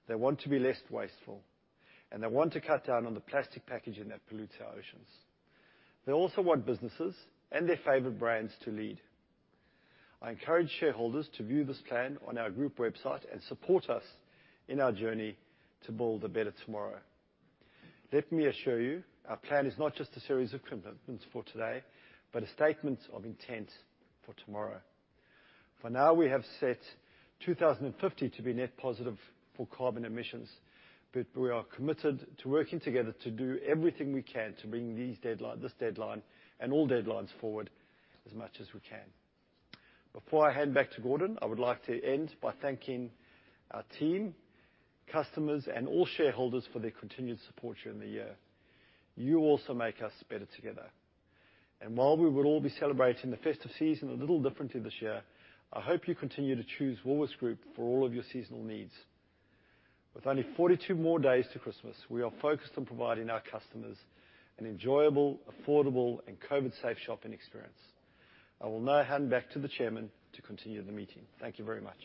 they want to be less wasteful, and they want to cut down on the plastic packaging that pollutes our oceans. They also want businesses and their favorite brands to lead. I encourage shareholders to view this plan on our group website and support us in our journey to build a better tomorrow. Let me assure you, our plan is not just a series of commitments for today, but a statement of intent for tomorrow. For now, we have set 2050 to be net positive for carbon emissions, but we are committed to working together to do everything we can to bring this deadline and all deadlines forward as much as we can. Before I hand back to Gordon, I would like to end by thanking our team, customers, and all shareholders for their continued support during the year. You also make us better together, and while we will all be celebrating the festive season a little differently this year, I hope you continue to choose Woolworths Group for all of your seasonal needs. With only 42 more days to Christmas, we are focused on providing our customers an enjoyable, affordable, and COVID-safe shopping experience. I will now hand back to the chairman to continue the meeting. Thank you very much.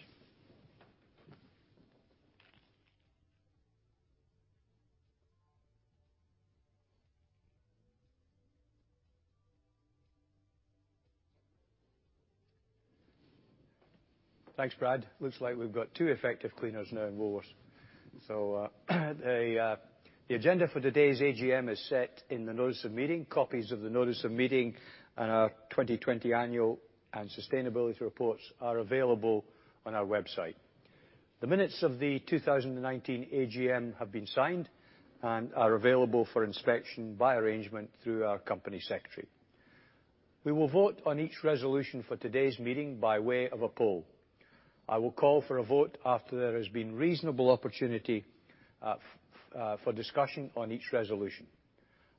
Thanks, Brad. Looks like we've got two effective cleaners now in Woolworths. So, the agenda for today's AGM is set in the Notice of Meeting. Copies of the Notice of Meeting and our 2020 Annual and Sustainability Reports are available on our website. The minutes of the 2019 AGM have been signed and are available for inspection by arrangement through our company secretary. We will vote on each resolution for today's meeting by way of a poll. I will call for a vote after there has been reasonable opportunity for discussion on each resolution.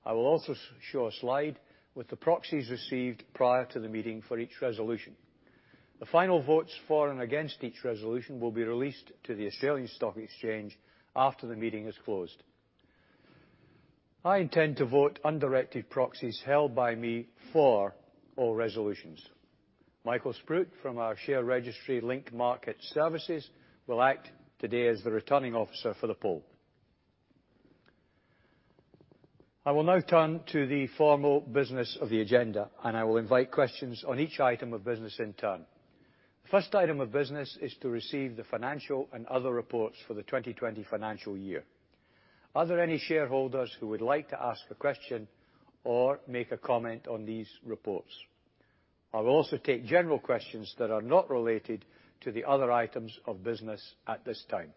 I will also show a slide with the proxies received prior to the meeting for each resolution. The final votes for and against each resolution will be released to the Australian Stock Exchange after the meeting is closed. I intend to vote undirected proxies held by me for all resolutions. Michael Spruit, from our share registry, Link Market Services, will act today as the Returning Officer for the poll. I will now turn to the formal business of the agenda, and I will invite questions on each item of business in turn. The first item of business is to receive the financial and other reports for the 2020 financial year. Are there any shareholders who would like to ask a question or make a comment on these reports? I will also take general questions that are not related to the other items of business at this time.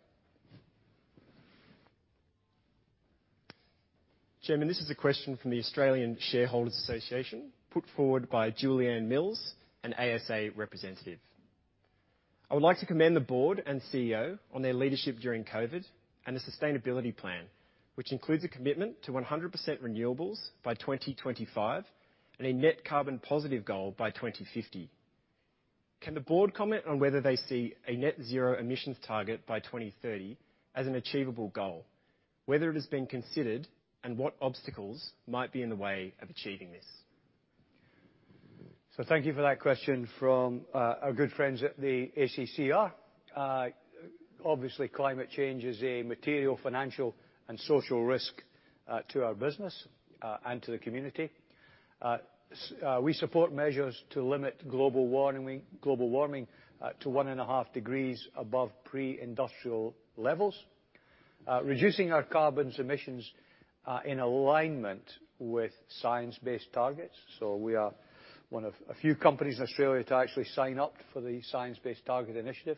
Chairman, this is a question from the Australian Shareholders Association, put forward by Julianne Mills, an ASA representative.I would like to commend the board and CEO on their leadership during COVID and the sustainability plan, which includes a commitment to 100% renewables by 2025 and a net carbon positive goal by 2050. Can the board comment on whether they see a net zero emissions target by 2030 as an achievable goal? Whether it has been considered, and what obstacles might be in the way of achieving this? Thank you for that question from our good friends at the ACCR. Obviously, climate change is a material, financial and social risk to our business and to the community. We support measures to limit global warming to one and a half degrees above pre-industrial levels, reducing our carbon emissions in alignment with science-based targets. We are one of a few companies in Australia to actually sign up for the Science Based Targets initiative.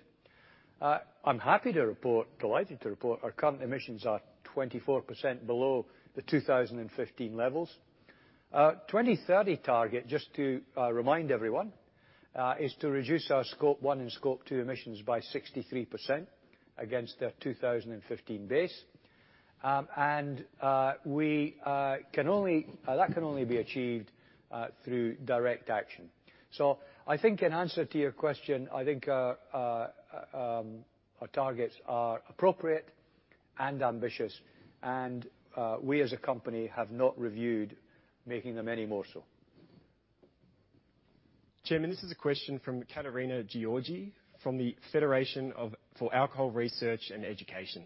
I'm happy to report, delighted to report, our current emissions are 24% below the 2015 levels. Our 2030 target, just to remind everyone, is to reduce our Scope 1 and Scope 2 emissions by 63% against the 2015 base. That can only be achieved through direct action. So I think in answer to your question, I think our targets are appropriate and ambitious, and we, as a company, have not reviewed making them any more so. Chairman, this is a question from Caterina Giorgi, from the Federation for Alcohol Research and Education: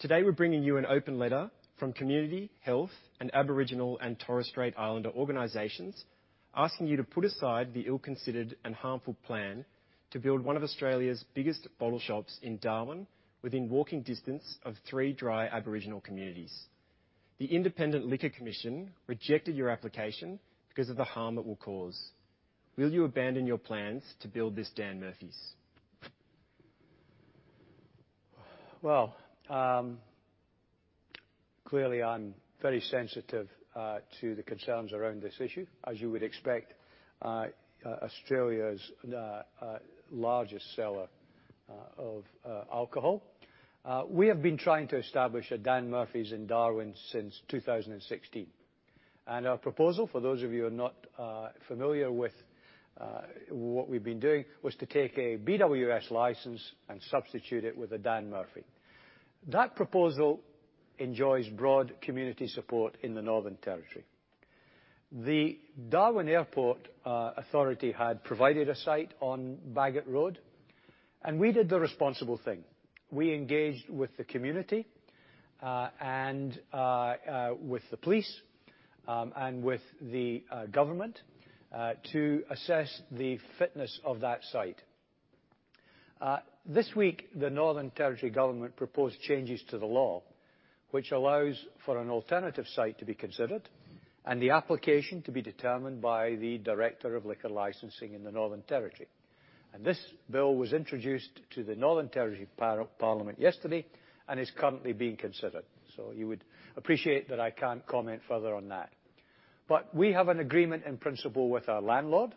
Today, we're bringing you an open letter from community, health and Aboriginal and Torres Strait Islander organizations, asking you to put aside the ill-considered and harmful plan to build one of Australia's biggest bottle shops in Darwin, within walking distance of three dry Aboriginal communities. The Independent Liquor Commission rejected your application because of the harm it will cause. Will you abandon your plans to build this Dan Murphy's? Clearly, I'm very sensitive to the concerns around this issue, as you would expect, Australia's largest seller of alcohol. We have been trying to establish a Dan Murphy's in Darwin since 2016. Our proposal, for those of you who are not familiar with what we've been doing, was to take a BWS license and substitute it with a Dan Murphy's. That proposal enjoys broad community support in the Northern Territory. The Darwin Airport Authority had provided a site on Bagot Road, and we did the responsible thing. We engaged with the community and with the police and with the government to assess the fitness of that site. This week, the Northern Territory government proposed changes to the law, which allows for an alternative site to be considered, and the application to be determined by the Director of Liquor Licensing in the Northern Territory. And this bill was introduced to the Northern Territory Parliament yesterday and is currently being considered, so you would appreciate that I can't comment further on that. But we have an agreement in principle with our landlord,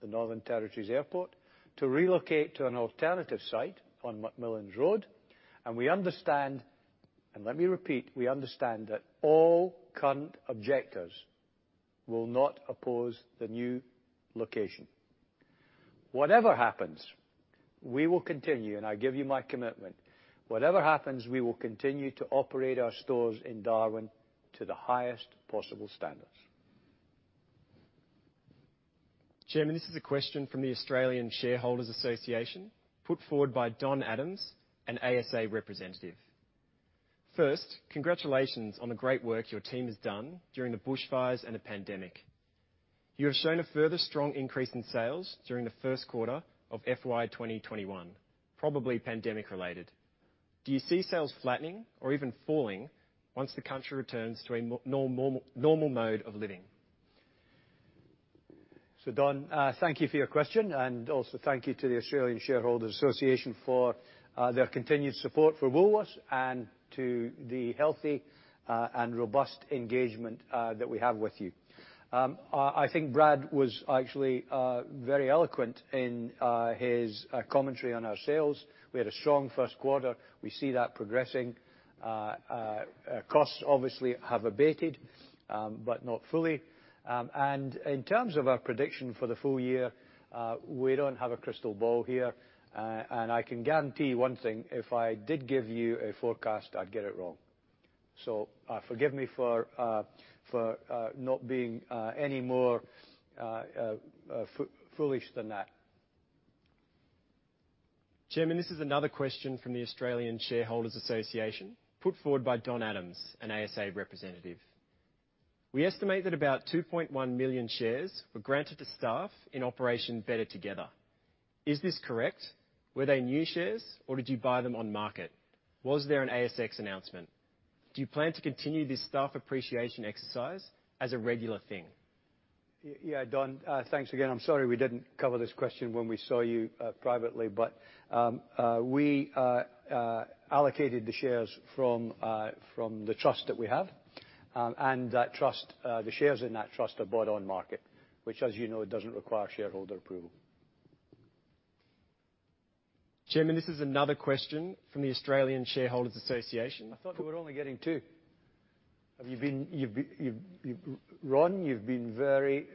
the Darwin Airport Authority, to relocate to an alternative site on McMillans Road. And we understand, and let me repeat, we understand that all current objectors will not oppose the new location. Whatever happens, we will continue, and I give you my commitment, whatever happens, we will continue to operate our stores in Darwin to the highest possible standards. Chairman, this is a question from the Australian Shareholders Association, put forward by Don Adams, an ASA representative. First, congratulations on the great work your team has done during the bushfires and the pandemic. You have shown a further strong increase in sales during the first quarter of FY twenty twenty-one, probably pandemic related. Do you see sales flattening or even falling once the country returns to a normal mode of living? So, Don, thank you for your question, and also thank you to the Australian Shareholders Association for their continued support for Woolworths and to the healthy and robust engagement that we have with you. I think Brad was actually very eloquent in his commentary on our sales. We had a strong first quarter. We see that progressing. Costs obviously have abated, but not fully. And in terms of our prediction for the full year, we don't have a crystal ball here, and I can guarantee one thing, if I did give you a forecast, I'd get it wrong. So, forgive me for not being any more foolish than that. Chairman, this is another question from the Australian Shareholders Association, put forward by Don Adams, an ASA representative. We estimate that about 2.1 million shares were granted to staff in operation Better Together. Is this correct? Were they new shares, or did you buy them on market? Was there an ASX announcement? Do you plan to continue this staff appreciation exercise as a regular thing? Yeah, Don, thanks again. I'm sorry we didn't cover this question when we saw you privately, but we allocated the shares from the trust that we have. And that trust, the shares in that trust are bought on market, which, as you know, doesn't require shareholder approval. Chairman, this is another question from the Australian Shareholders Association. I thought we were only getting two! Have you been-- you've... Ron, you've been very-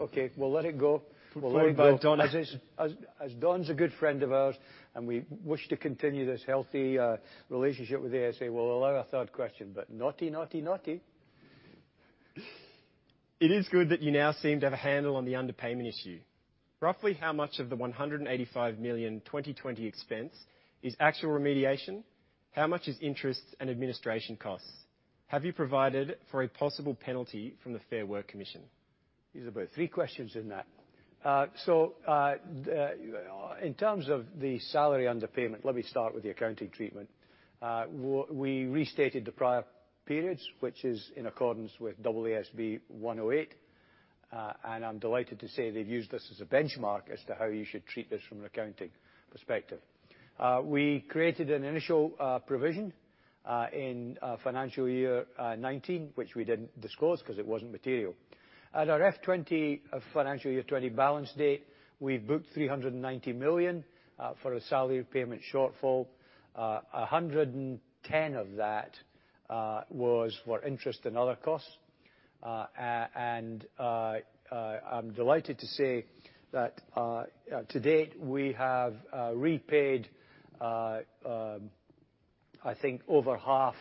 okay, we'll let it go. Followed by Don. As Don's a good friend of ours, and we wish to continue this healthy relationship with the ASA, we'll allow a third question, but naughty, naughty, naughty. It is good that you now seem to have a handle on the underpayment issue. Roughly how much of the 185 million 2020 expense is actual remediation? How much is interest and administration costs? Have you provided for a possible penalty from the Fair Work Commission? These are about three questions in that, so in terms of the salary underpayment, let me start with the accounting treatment. We restated the prior periods, which is in accordance with AASB 108, and I'm delighted to say they've used us as a benchmark as to how you should treat this from an accounting perspective. We created an initial provision in financial year 2019, which we didn't disclose because it wasn't material. At our FY20 financial year 2020 balance date, we've booked 390 million for a salary payment shortfall. 110 million of that was for interest and other costs. I'm delighted to say that to date we have repaid, I think, over half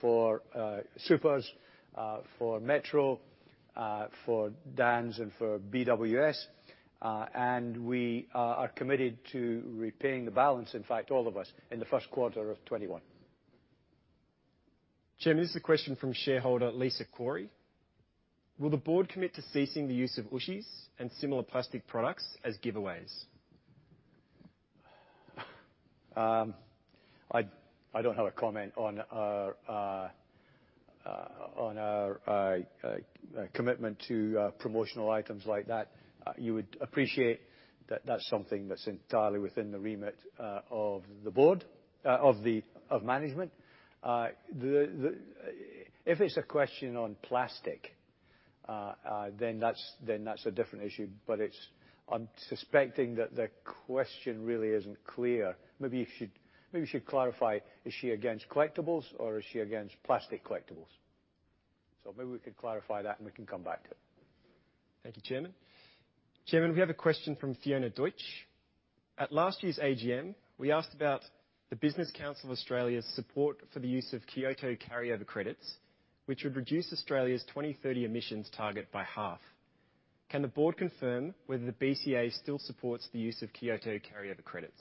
for Supers, for Metro, for Dans and for BWS. We are committed to repaying the balance, in fact all of us, in the first quarter of 2021. Chairman, this is a question from shareholder Lisa Corey: Will the board commit to ceasing the use of Ooshies and similar plastic products as giveaways? I don't have a comment on our commitment to promotional items like that. You would appreciate that that's something that's entirely within the remit of the board of management. If it's a question on plastic, then that's a different issue, but it's- I'm suspecting that the question really isn't clear. Maybe you should clarify, is she against collectibles or is she against plastic collectibles? So maybe we could clarify that, and we can come back to it. Thank you, Chairman. Chairman, we have a question from Fiona Deutsch: At last year's AGM, we asked about the Business Council of Australia's support for the use of Kyoto carryover credits, which would reduce Australia's twenty-thirty emissions target by half. Can the board confirm whether the BCA still supports the use of Kyoto carryover credits?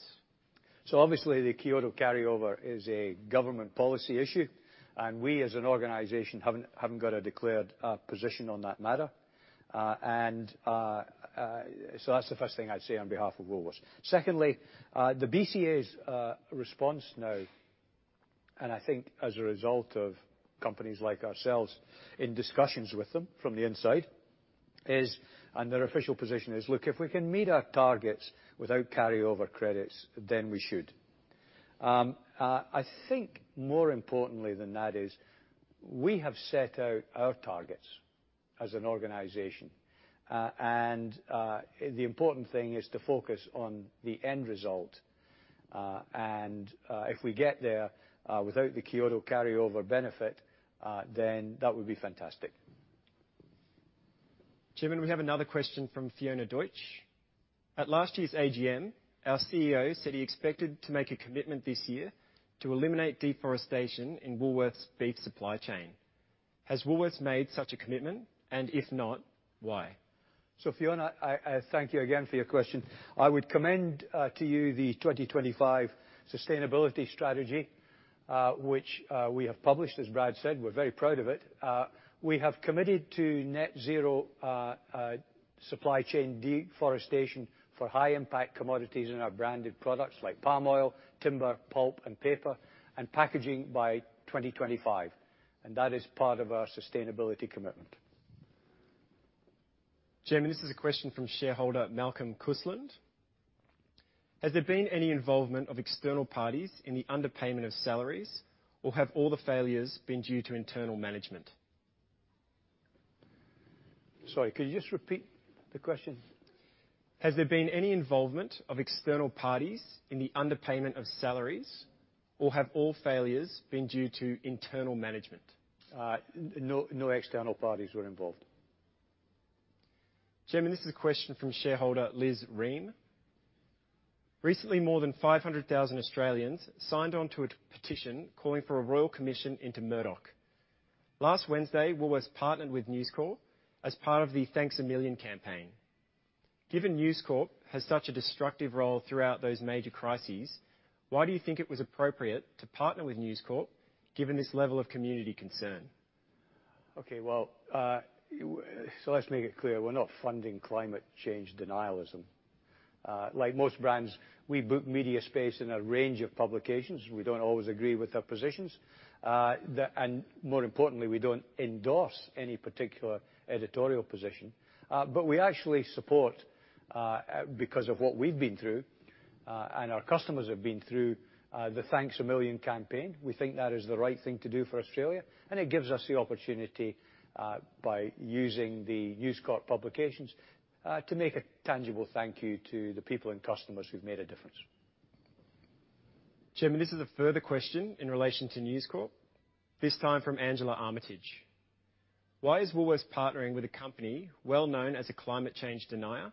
So obviously, the Kyoto carryover is a government policy issue, and we, as an organization, haven't got a declared position on that matter. And so that's the first thing I'd say on behalf of Woolworths. Secondly, the BCA's response now, and I think as a result of companies like ourselves in discussions with them from the inside, is, and their official position is: Look, if we can meet our targets without carryover credits, then we should. I think more importantly than that is we have set out our targets as an organization, and the important thing is to focus on the end result. And if we get there without the Kyoto carryover benefit, then that would be fantastic. Chairman, we have another question from Fiona Deutsch. At last year's AGM, our CEO said he expected to make a commitment this year to eliminate deforestation in Woolworths' beef supply chain. Has Woolworths made such a commitment? And if not, why? Fiona, I thank you again for your question. I would commend to you the 2025 sustainability strategy, which we have published, as Brad said. We're very proud of it. We have committed to net zero supply chain deforestation for high-impact commodities in our branded products like palm oil, timber, pulp, and paper, and packaging by 2025, and that is part of our sustainability commitment. Chairman, this is a question from shareholder Malcolm Cousland: Has there been any involvement of external parties in the underpayment of salaries, or have all the failures been due to internal management? Sorry, could you just repeat the question? Has there been any involvement of external parties in the underpayment of salaries, or have all failures been due to internal management? No, no external parties were involved. Chairman, this is a question from shareholder Liz Ream: Recently, more than 500,000 Australians signed on to a petition calling for a royal commission into Murdoch. Last Wednesday, Woolworths partnered with News Corp as part of the Thanks a Million campaign. Given News Corp has such a destructive role throughout those major crises, why do you think it was appropriate to partner with News Corp, given this level of community concern? Okay, well, so let's make it clear, we're not funding climate change denialism. Like most brands, we book media space in a range of publications. We don't always agree with their positions. And more importantly, we don't endorse any particular editorial position. But we actually support, because of what we've been through and our customers have been through, the Thanks a Million campaign. We think that is the right thing to do for Australia, and it gives us the opportunity, by using the News Corp publications, to make a tangible thank you to the people and customers who've made a difference. Chairman, this is a further question in relation to News Corp, this time from Angela Armitage: "Why is Woolworths partnering with a company well known as a climate change denier,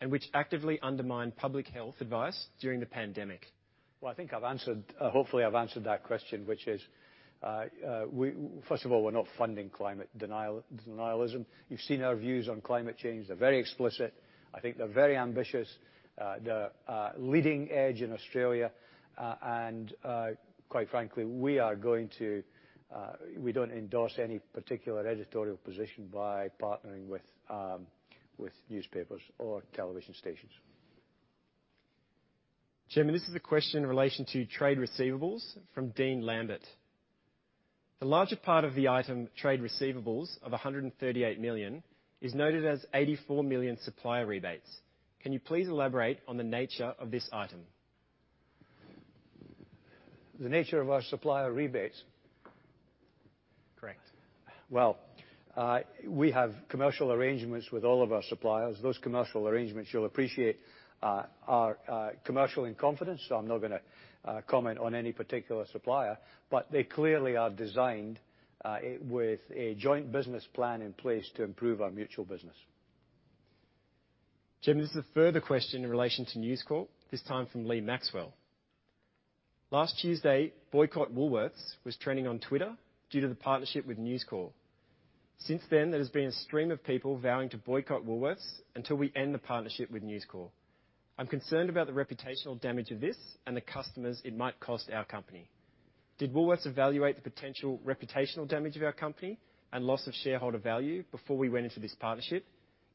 and which actively undermined public health advice during the pandemic? Well, I think I've answered, hopefully, I've answered that question, which is, first of all, we're not funding climate denial, denialism. You've seen our views on climate change. They're very explicit. I think they're very ambitious. They're leading edge in Australia, and quite frankly, we are going to... We don't endorse any particular editorial position by partnering with newspapers or television stations. Chairman, this is a question in relation to trade receivables from Dean Lambert: "The larger part of the item, trade receivables of 138 million, is noted as 84 million supplier rebates. Can you please elaborate on the nature of this item? The nature of our supplier rebates? Correct. We have commercial arrangements with all of our suppliers. Those commercial arrangements, you'll appreciate, are commercial in confidence, so I'm not gonna comment on any particular supplier, but they clearly are designed with a joint business plan in place to improve our mutual business. Chairman, this is a further question in relation to News Corp, this time from Lee Maxwell: "Last Tuesday, Boycott Woolworths was trending on Twitter due to the partnership with News Corp. Since then, there has been a stream of people vowing to boycott Woolworths until we end the partnership with News Corp. I'm concerned about the reputational damage of this and the customers it might cost our company. Did Woolworths evaluate the potential reputational damage of our company and loss of shareholder value before we went into this partnership?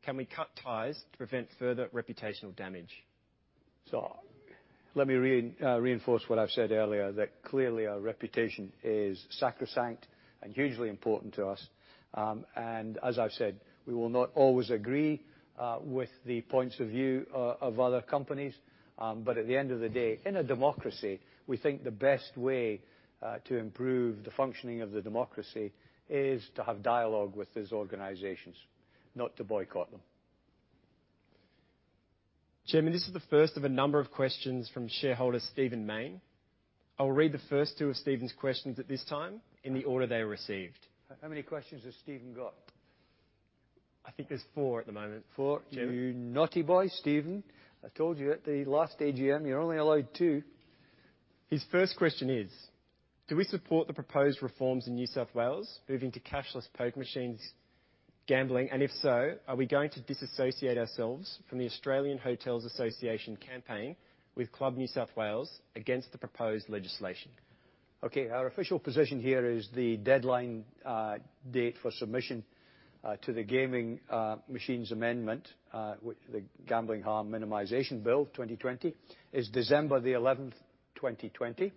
Can we cut ties to prevent further reputational damage? So let me reinforce what I've said earlier, that clearly our reputation is sacrosanct and hugely important to us. And as I've said, we will not always agree with the points of view of other companies. But at the end of the day, in a democracy, we think the best way to improve the functioning of the democracy is to have dialogue with these organizations, not to boycott them. Chairman, this is the first of a number of questions from shareholder Stephen Mayne. I will read the first two of Stephen's questions at this time in the order they were received. How many questions has Stephen got? I think there's four at the moment. Four? Yeah. You naughty boy, Stephen. I told you at the last AGM, you're only allowed two. His first question is: "Do we support the proposed reforms in New South Wales, moving to cashless poker machines gambling? And if so, are we going to disassociate ourselves from the Australian Hotels Association campaign with Clubs New South Wales against the proposed legislation? Okay, our official position here is the deadline date for submission to the gaming machines amendment, which the Gambling Harm Minimisation Bill 2020 is December the 11th, 2020,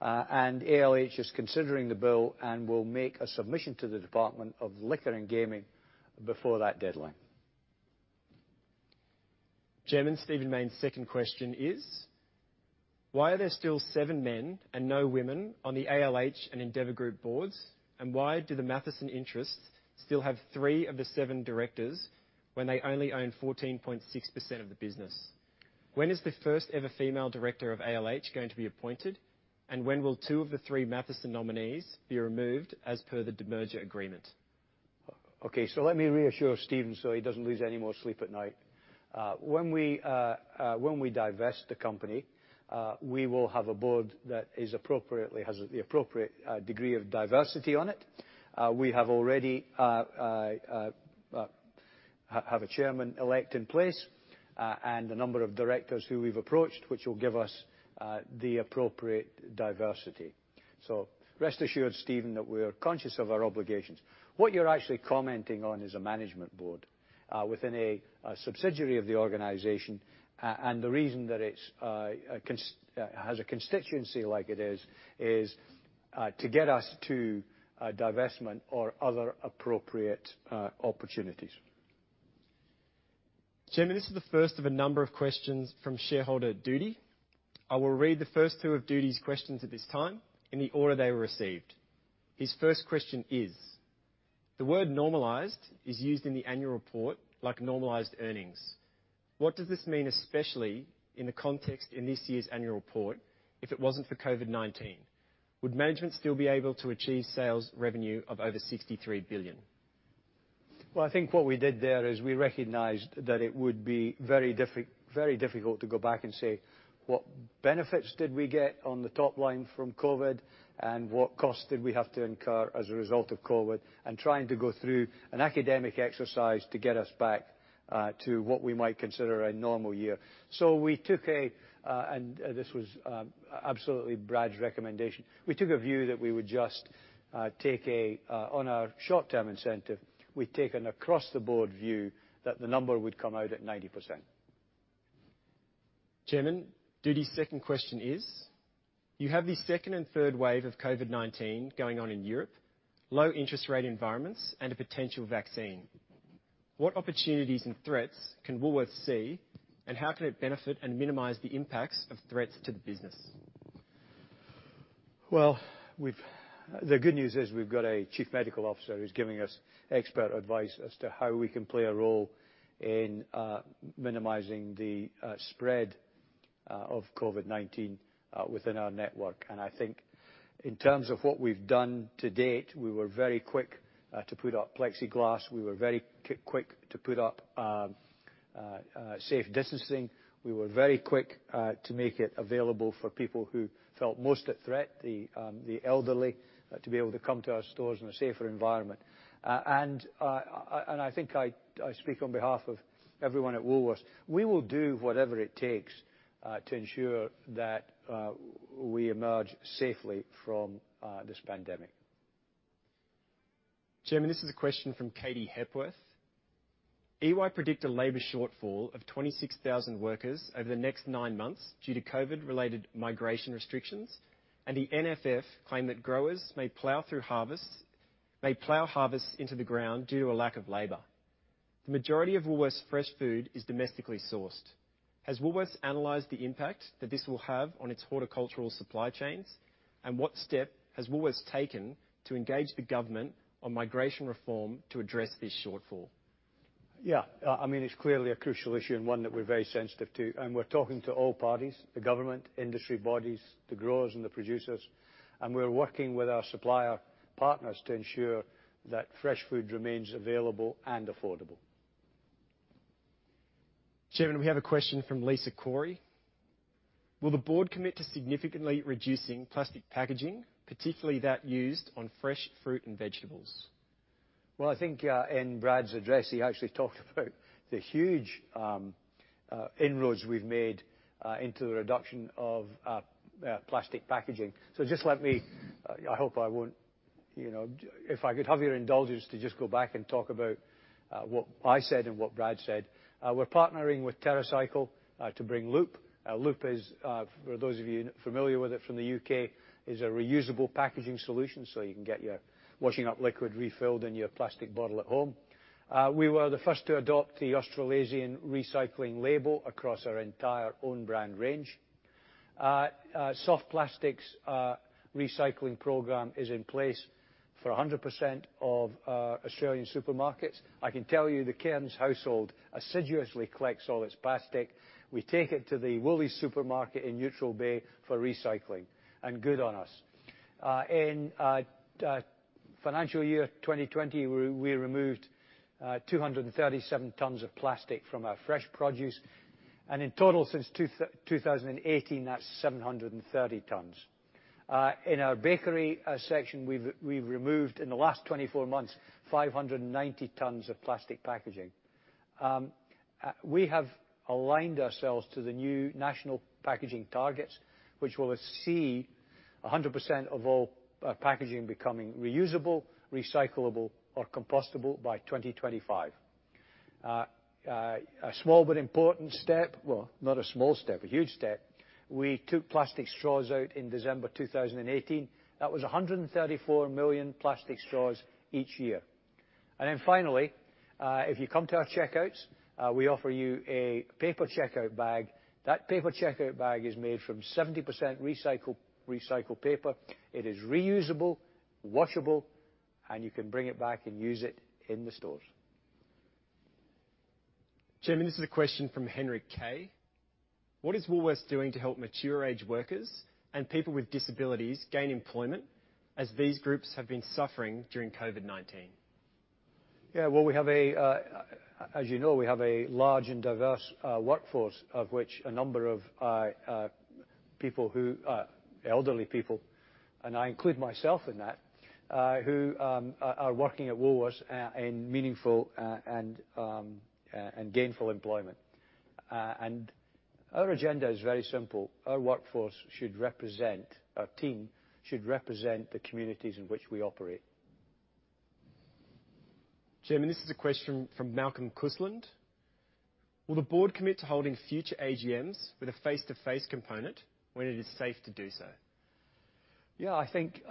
and ALH is considering the bill and will make a submission to the Department of Liquor and Gaming before that deadline. Chairman, Stephen Mayne second question is: "Why are there still seven men and no women on the ALH and Endeavour Group boards? And why do the Mathieson interests still have three of the seven directors when they only own 14.6% of the business? When is the first-ever female director of ALH going to be appointed, and when will two of the three Mathieson nominees be removed as per the demerger agreement? Okay, so let me reassure Stephen so he doesn't lose any more sleep at night. When we divest the company, we will have a board that appropriately has the appropriate degree of diversity on it. We have already a chairman-elect in place, and a number of directors who we've approached, which will give us the appropriate diversity. So rest assured, Stephen, that we're conscious of our obligations. What you're actually commenting on is a management board within a subsidiary of the organization. And the reason that it has a constituency like it is is to get us to divestment or other appropriate opportunities. Chairman, this is the first of a number of questions from shareholder Doody. I will read the first two of Doody's questions at this time in the order they were received. His first question is: "The word normalized is used in the annual report, like normalized earnings. What does this mean, especially in the context in this year's annual report, if it wasn't for COVID-19? Would management still be able to achieve sales revenue of over 63 billion? I think what we did there is we recognized that it would be very difficult to go back and say what benefits did we get on the top line from COVID, and what costs did we have to incur as a result of COVID, and trying to go through an academic exercise to get us back to what we might consider a normal year. This was absolutely Brad's recommendation. We took a view that we would just take an across-the-board view on our short-term incentive that the number would come out at 90%. Chairman, Doody's second question is: "You have the second and third wave of COVID-19 going on in Europe, low interest rate environments, and a potential vaccine... What opportunities and threats can Woolworths see, and how can it benefit and minimize the impacts of threats to the business? The good news is we've got a chief medical officer who's giving us expert advice as to how we can play a role in minimizing the spread of COVID-19 within our network. And I think in terms of what we've done to date, we were very quick to put up plexiglass. We were very quick to put up safe distancing. We were very quick to make it available for people who felt most at threat, the elderly, to be able to come to our stores in a safer environment. And I think I speak on behalf of everyone at Woolworths, we will do whatever it takes to ensure that we emerge safely from this pandemic. Chairman, this is a question from Katie Hepworth: EY predict a labor shortfall of 26,000 workers over the next nine months due to COVID-related migration restrictions, and the NFF claim that growers may plow harvests into the ground due to a lack of labor. The majority of Woolworths' fresh food is domestically sourced. Has Woolworths analyzed the impact that this will have on its horticultural supply chains, and what step has Woolworths taken to engage the government on migration reform to address this shortfall? Yeah. I mean, it's clearly a crucial issue and one that we're very sensitive to, and we're talking to all parties, the government, industry bodies, the growers, and the producers, and we're working with our supplier partners to ensure that fresh food remains available and affordable. Chairman, we have a question from Lisa Corey: Will the board commit to significantly reducing plastic packaging, particularly that used on fresh fruit and vegetables? I think, in Brad's address, he actually talked about the huge inroads we've made into the reduction of plastic packaging. So just let me... I hope I won't, you know, if I could have your indulgence to just go back and talk about what I said and what Brad said. We're partnering with TerraCycle to bring Loop. Loop is, for those of you familiar with it from the U.K., a reusable packaging solution, so you can get your washing up liquid refilled in your plastic bottle at home. We were the first to adopt the Australasian Recycling Label across our entire own brand range. Soft plastics recycling program is in place for 100% of Australian supermarkets. I can tell you, the Cairns household assiduously collects all its plastic. We take it to the Woolies supermarket in Neutral Bay for recycling, and good on us. In financial year 2020, we removed two hundred and thirty-seven tons of plastic from our fresh produce, and in total, since 2018, that's seven hundred and thirty tons. In our bakery section, we've removed, in the last 24 months, five hundred and ninety tons of plastic packaging. We have aligned ourselves to the new national packaging targets, which will see 100% of all packaging becoming reusable, recyclable, or compostable by 2025. A small but important step. Well, not a small step, a huge step, we took plastic straws out in December 2018. That was a hundred and thirty-four million plastic straws each year. Then finally, if you come to our checkouts, we offer you a paper checkout bag. That paper checkout bag is made from 70% recycled paper. It is reusable, washable, and you can bring it back and use it in the stores. Chairman, this is a question from Henry Kaye: What is Woolworths doing to help mature age workers and people with disabilities gain employment, as these groups have been suffering during COVID-19? Yeah, well. As you know, we have a large and diverse workforce, of which a number of elderly people, and I include myself in that, who are working at Woolworths in meaningful and gainful employment. And our agenda is very simple. Our workforce should represent, our team should represent the communities in which we operate. Chairman, this is a question from Malcolm Cousland: Will the board commit to holding future AGMs with a face-to-face component when it is safe to do so? Yeah, I think,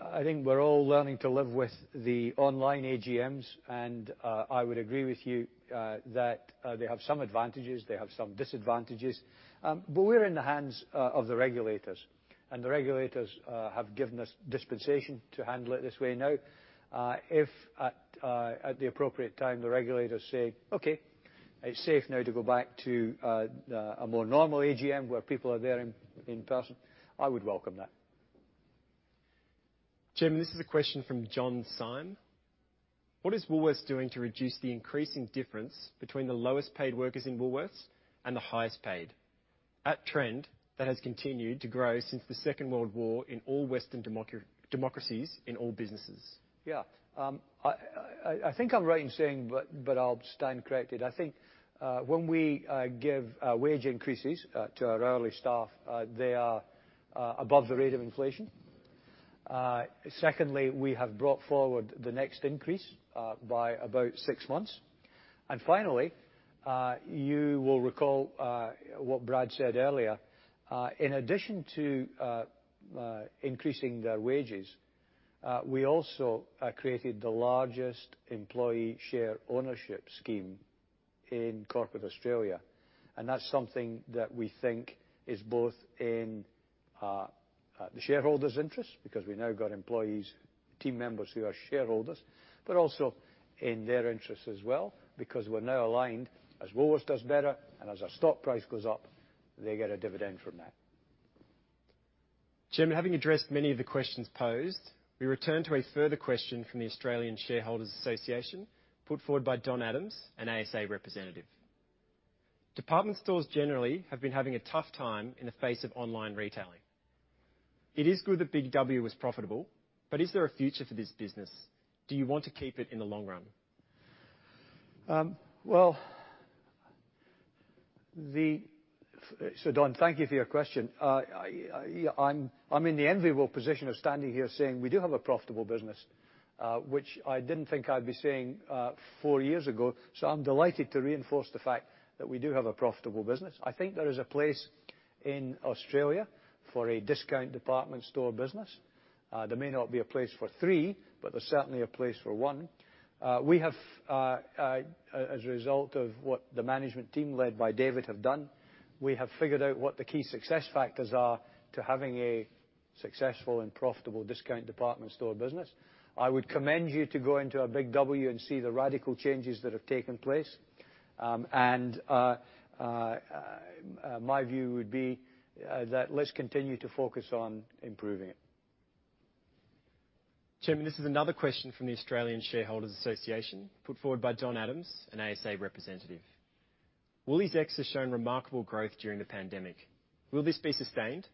I think we're all learning to live with the online AGMs, and, I would agree with you, that, they have some advantages, they have some disadvantages. But we're in the hands of the regulators, and the regulators have given us dispensation to handle it this way now. If at, at the appropriate time, the regulators say, "Okay, it's safe now to go back to a more normal AGM where people are there in person," I would welcome that. Chairman, this is a question from John Sime: What is Woolworths doing to reduce the increasing difference between the lowest paid workers in Woolworths and the highest paid? At trend, that has continued to grow since the Second World War in all Western democracies, in all businesses. Yeah. I think I'm right in saying, but I'll stand corrected, I think, when we give wage increases to our hourly staff, they are above the rate of inflation. Secondly, we have brought forward the next increase by about six months. And finally, you will recall what Brad said earlier. In addition to increasing their wages, we also created the largest employee share ownership scheme in corporate Australia, and that's something that we think is both in the shareholders' interest, because we've now got employees, team members, who are shareholders, but also in their interest as well, because we're now aligned. As Woolworths does better and as our stock price goes up, they get a dividend from that. Chairman, having addressed many of the questions posed, we return to a further question from the Australian Shareholders Association, put forward by Don Adams, an ASA representative. Department stores generally have been having a tough time in the face of online retailing. It is good that Big W was profitable, but is there a future for this business? Do you want to keep it in the long run? So Don, thank you for your question. I'm in the enviable position of standing here saying we do have a profitable business, which I didn't think I'd be saying four years ago. So I'm delighted to reinforce the fact that we do have a profitable business. I think there is a place in Australia for a discount department store business. There may not be a place for three, but there's certainly a place for one. We have, as a result of what the management team, led by David, have done, figured out what the key success factors are to having a successful and profitable discount department store business. I would commend you to go into a Big W and see the radical changes that have taken place. My view would be that let's continue to focus on improving it. Chairman, this is another question from the Australian Shareholders Association, put forward by Don Adams, an ASA representative. WooliesX has shown remarkable growth during the pandemic. Will this be sustained?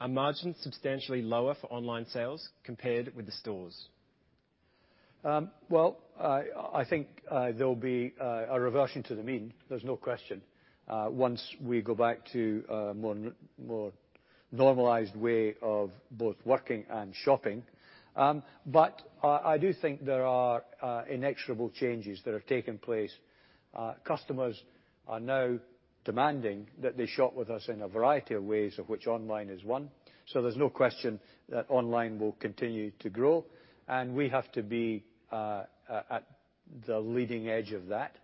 Are margins substantially lower for online sales compared with the stores? Well, I think there'll be a reversion to the mean, there's no question once we go back to a more normalized way of both working and shopping, but I do think there are inexorable changes that have taken place. Customers are now demanding that they shop with us in a variety of ways, of which online is one, so there's no question that online will continue to grow, and we have to be at the leading edge of that,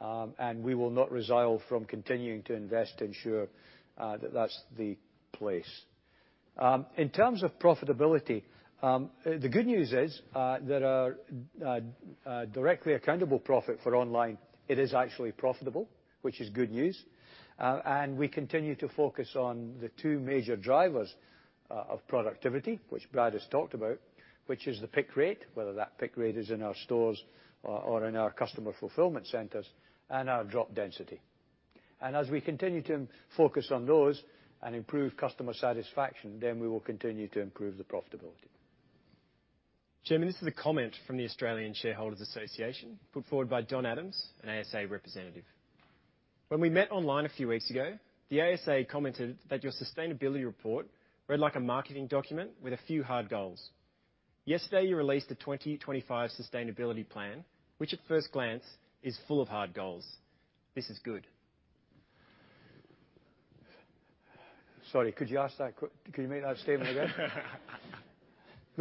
and we will not resile from continuing to invest to ensure that that's the place. In terms of profitability, the good news is there are directly accountable profit for online. It is actually profitable, which is good news. And we continue to focus on the two major drivers of productivity, which Brad has talked about, which is the pick rate, whether that pick rate is in our stores or in our customer fulfilment centres, and our drop density. And as we continue to focus on those and improve customer satisfaction, then we will continue to improve the profitability. Chairman, this is a comment from the Australian Shareholders Association, put forward by Don Adams, an ASA representative. When we met online a few weeks ago, the ASA commented that your sustainability report read like a marketing document with a few hard goals. Yesterday, you released a twenty twenty-five sustainability plan, which at first glance, is full of hard goals. This is good. Sorry, could you ask that? Could you make that statement again?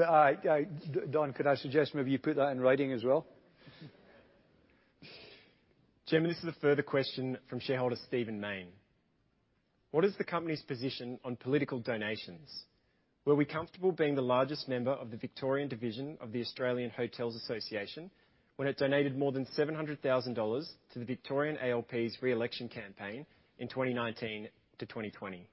I, Don, could I suggest maybe you put that in writing as well? Chairman, this is a further question from shareholder Stephen Mayne. What is the company's position on political donations? Were we comfortable being the largest member of the Victorian Division of the Australian Hotels Association when it donated more than 700,000 dollars to the Victorian ALP's re-election campaign in 2019 to 2020?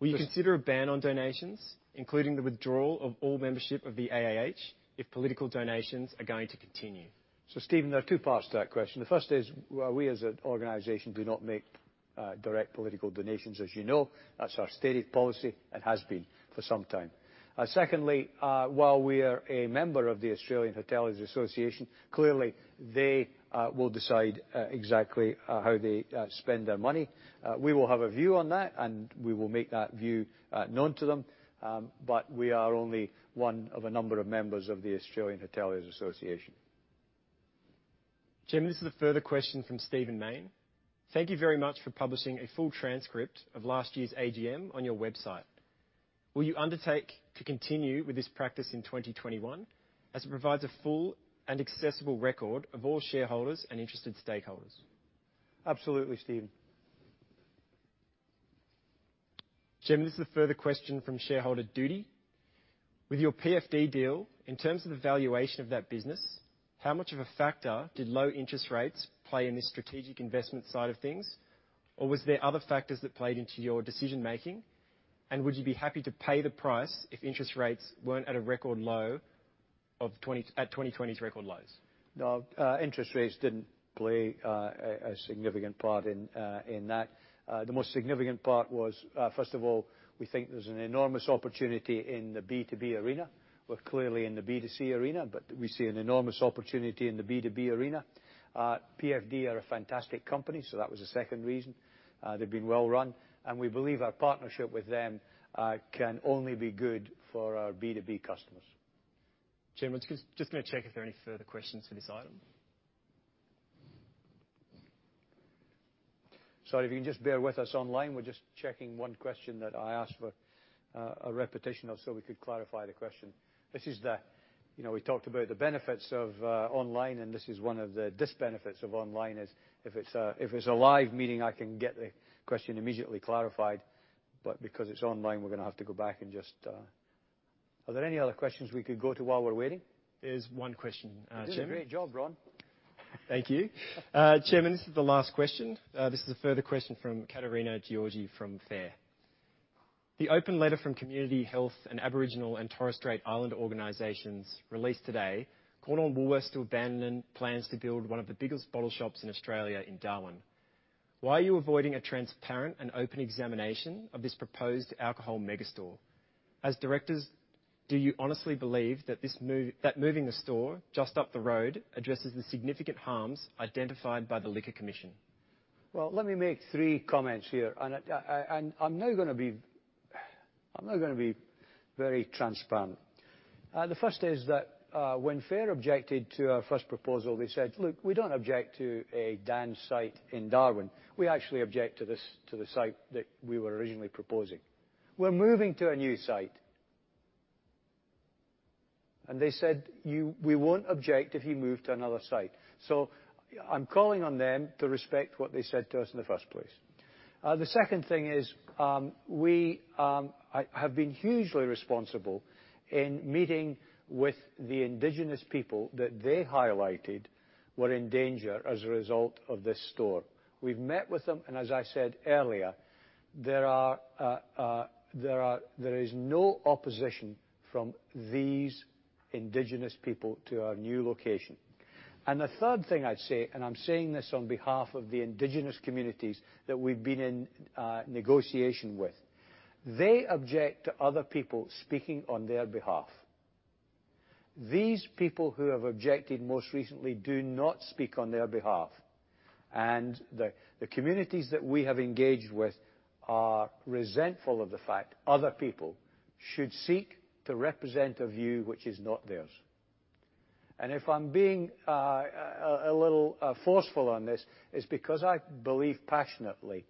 Will you consider a ban on donations, including the withdrawal of all membership of the AHA, if political donations are going to continue? So Stephen, there are two parts to that question. The first is, we, as an organization, do not make direct political donations, as you know. That's our stated policy and has been for some time. Secondly, while we are a member of the Australian Hotels Association, clearly, they will decide exactly how they spend their money. We will have a view on that, and we will make that view known to them. But we are only one of a number of members of the Australian Hotels Association. Chairman, this is a further question from Stephen Mayne. Thank you very much for publishing a full transcript of last year's AGM on your website. Will you undertake to continue with this practice in twenty twenty-one, as it provides a full and accessible record of all shareholders and interested stakeholders? Absolutely, Stephen. Chairman, this is a further question from shareholder Doody. With your PFD deal, in terms of the valuation of that business, how much of a factor did low interest rates play in this strategic investment side of things, or was there other factors that played into your decision making? And would you be happy to pay the price if interest rates weren't at a record low of twenty-- at 2020's record lows? No, interest rates didn't play a significant part in that. The most significant part was first of all, we think there's an enormous opportunity in the B2B arena. We're clearly in the B2C arena, but we see an enormous opportunity in the B2B arena. PFD are a fantastic company, so that was the second reason. They've been well run, and we believe our partnership with them can only be good for our B2B customers.... Chairman, just going to check if there are any further questions for this item. Sorry, if you can just bear with us online. We're just checking one question that I asked for, a repetition of, so we could clarify the question. This is the... You know, we talked about the benefits of, online, and this is one of the dis-benefits of online, is if it's a, if it's a live meeting, I can get the question immediately clarified, but because it's online, we're going to have to go back and just,... Are there any other questions we could go to while we're waiting? There's one question, Chairman. You're doing a great job, Ron! Thank you. Chairman, this is the last question. This is a further question from Caterina Giorgi, from FARE. "The open letter from Community Health and Aboriginal and Torres Strait Islander organizations released today called on Woolworths to abandon plans to build one of the biggest bottle shops in Australia in Darwin. Why are you avoiding a transparent and open examination of this proposed alcohol mega store? As directors, do you honestly believe that this move, that moving the store just up the road addresses the significant harms identified by the Liquor Commission? Let me make three comments here, and I'm now gonna be very transparent. The first is that, when FARE objected to our first proposal, they said, 'Look, we don't object to a Dan's site in Darwin. We actually object to this, to the site that we were originally proposing.' We're moving to a new site. And they said, 'You, we won't object if you move to another site.' So I'm calling on them to respect what they said to us in the first place. The second thing is, I have been hugely responsible in meeting with the indigenous people that they highlighted were in danger as a result of this store. We've met with them, and as I said earlier, there is no opposition from these indigenous people to our new location. And the third thing I'd say, and I'm saying this on behalf of the indigenous communities that we've been in negotiation with, they object to other people speaking on their behalf. These people who have objected most recently do not speak on their behalf, and the communities that we have engaged with are resentful of the fact other people should seek to represent a view which is not theirs. And if I'm being a little forceful on this, it's because I believe passionately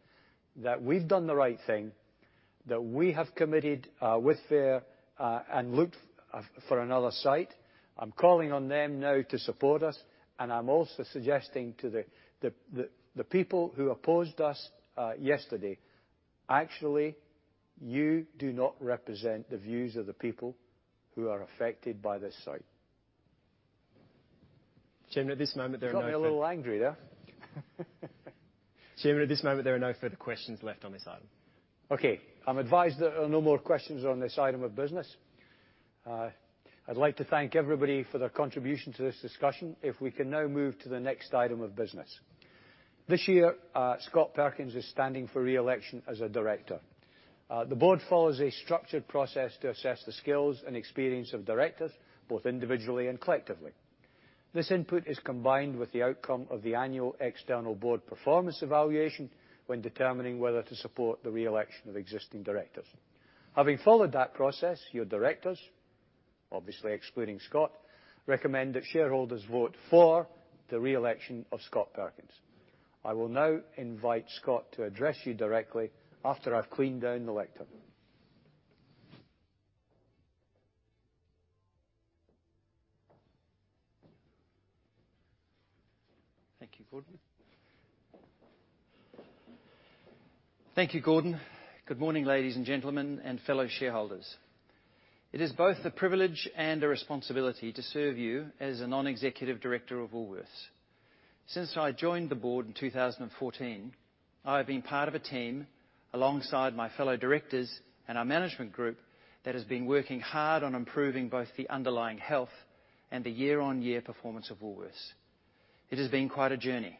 that we've done the right thing, that we have committed with FARE and looked for another site. I'm calling on them now to support us, and I'm also suggesting to the people who opposed us yesterday, actually, you do not represent the views of the people who are affected by this site. Chairman, at this moment, there are no- Got me a little angry there. Chairman, at this moment, there are no further questions left on this item. Okay, I'm advised that there are no more questions on this item of business. I'd like to thank everybody for their contribution to this discussion. If we can now move to the next item of business. This year, Scott Perkins is standing for re-election as a director. The board follows a structured process to assess the skills and experience of directors, both individually and collectively. This input is combined with the outcome of the annual external board performance evaluation when determining whether to support the re-election of existing directors. Having followed that process, your directors, obviously excluding Scott, recommend that shareholders vote for the re-election of Scott Perkins. I will now invite Scott to address you directly after I've cleaned down the lectern. Thank you, Gordon. Thank you, Gordon. Good morning, ladies and gentlemen, and fellow shareholders. It is both a privilege and a responsibility to serve you as a non-executive director of Woolworths. Since I joined the board in 2014, I have been part of a team, alongside my fellow directors and our management group, that has been working hard on improving both the underlying health and the year-on-year performance of Woolworths. It has been quite a journey,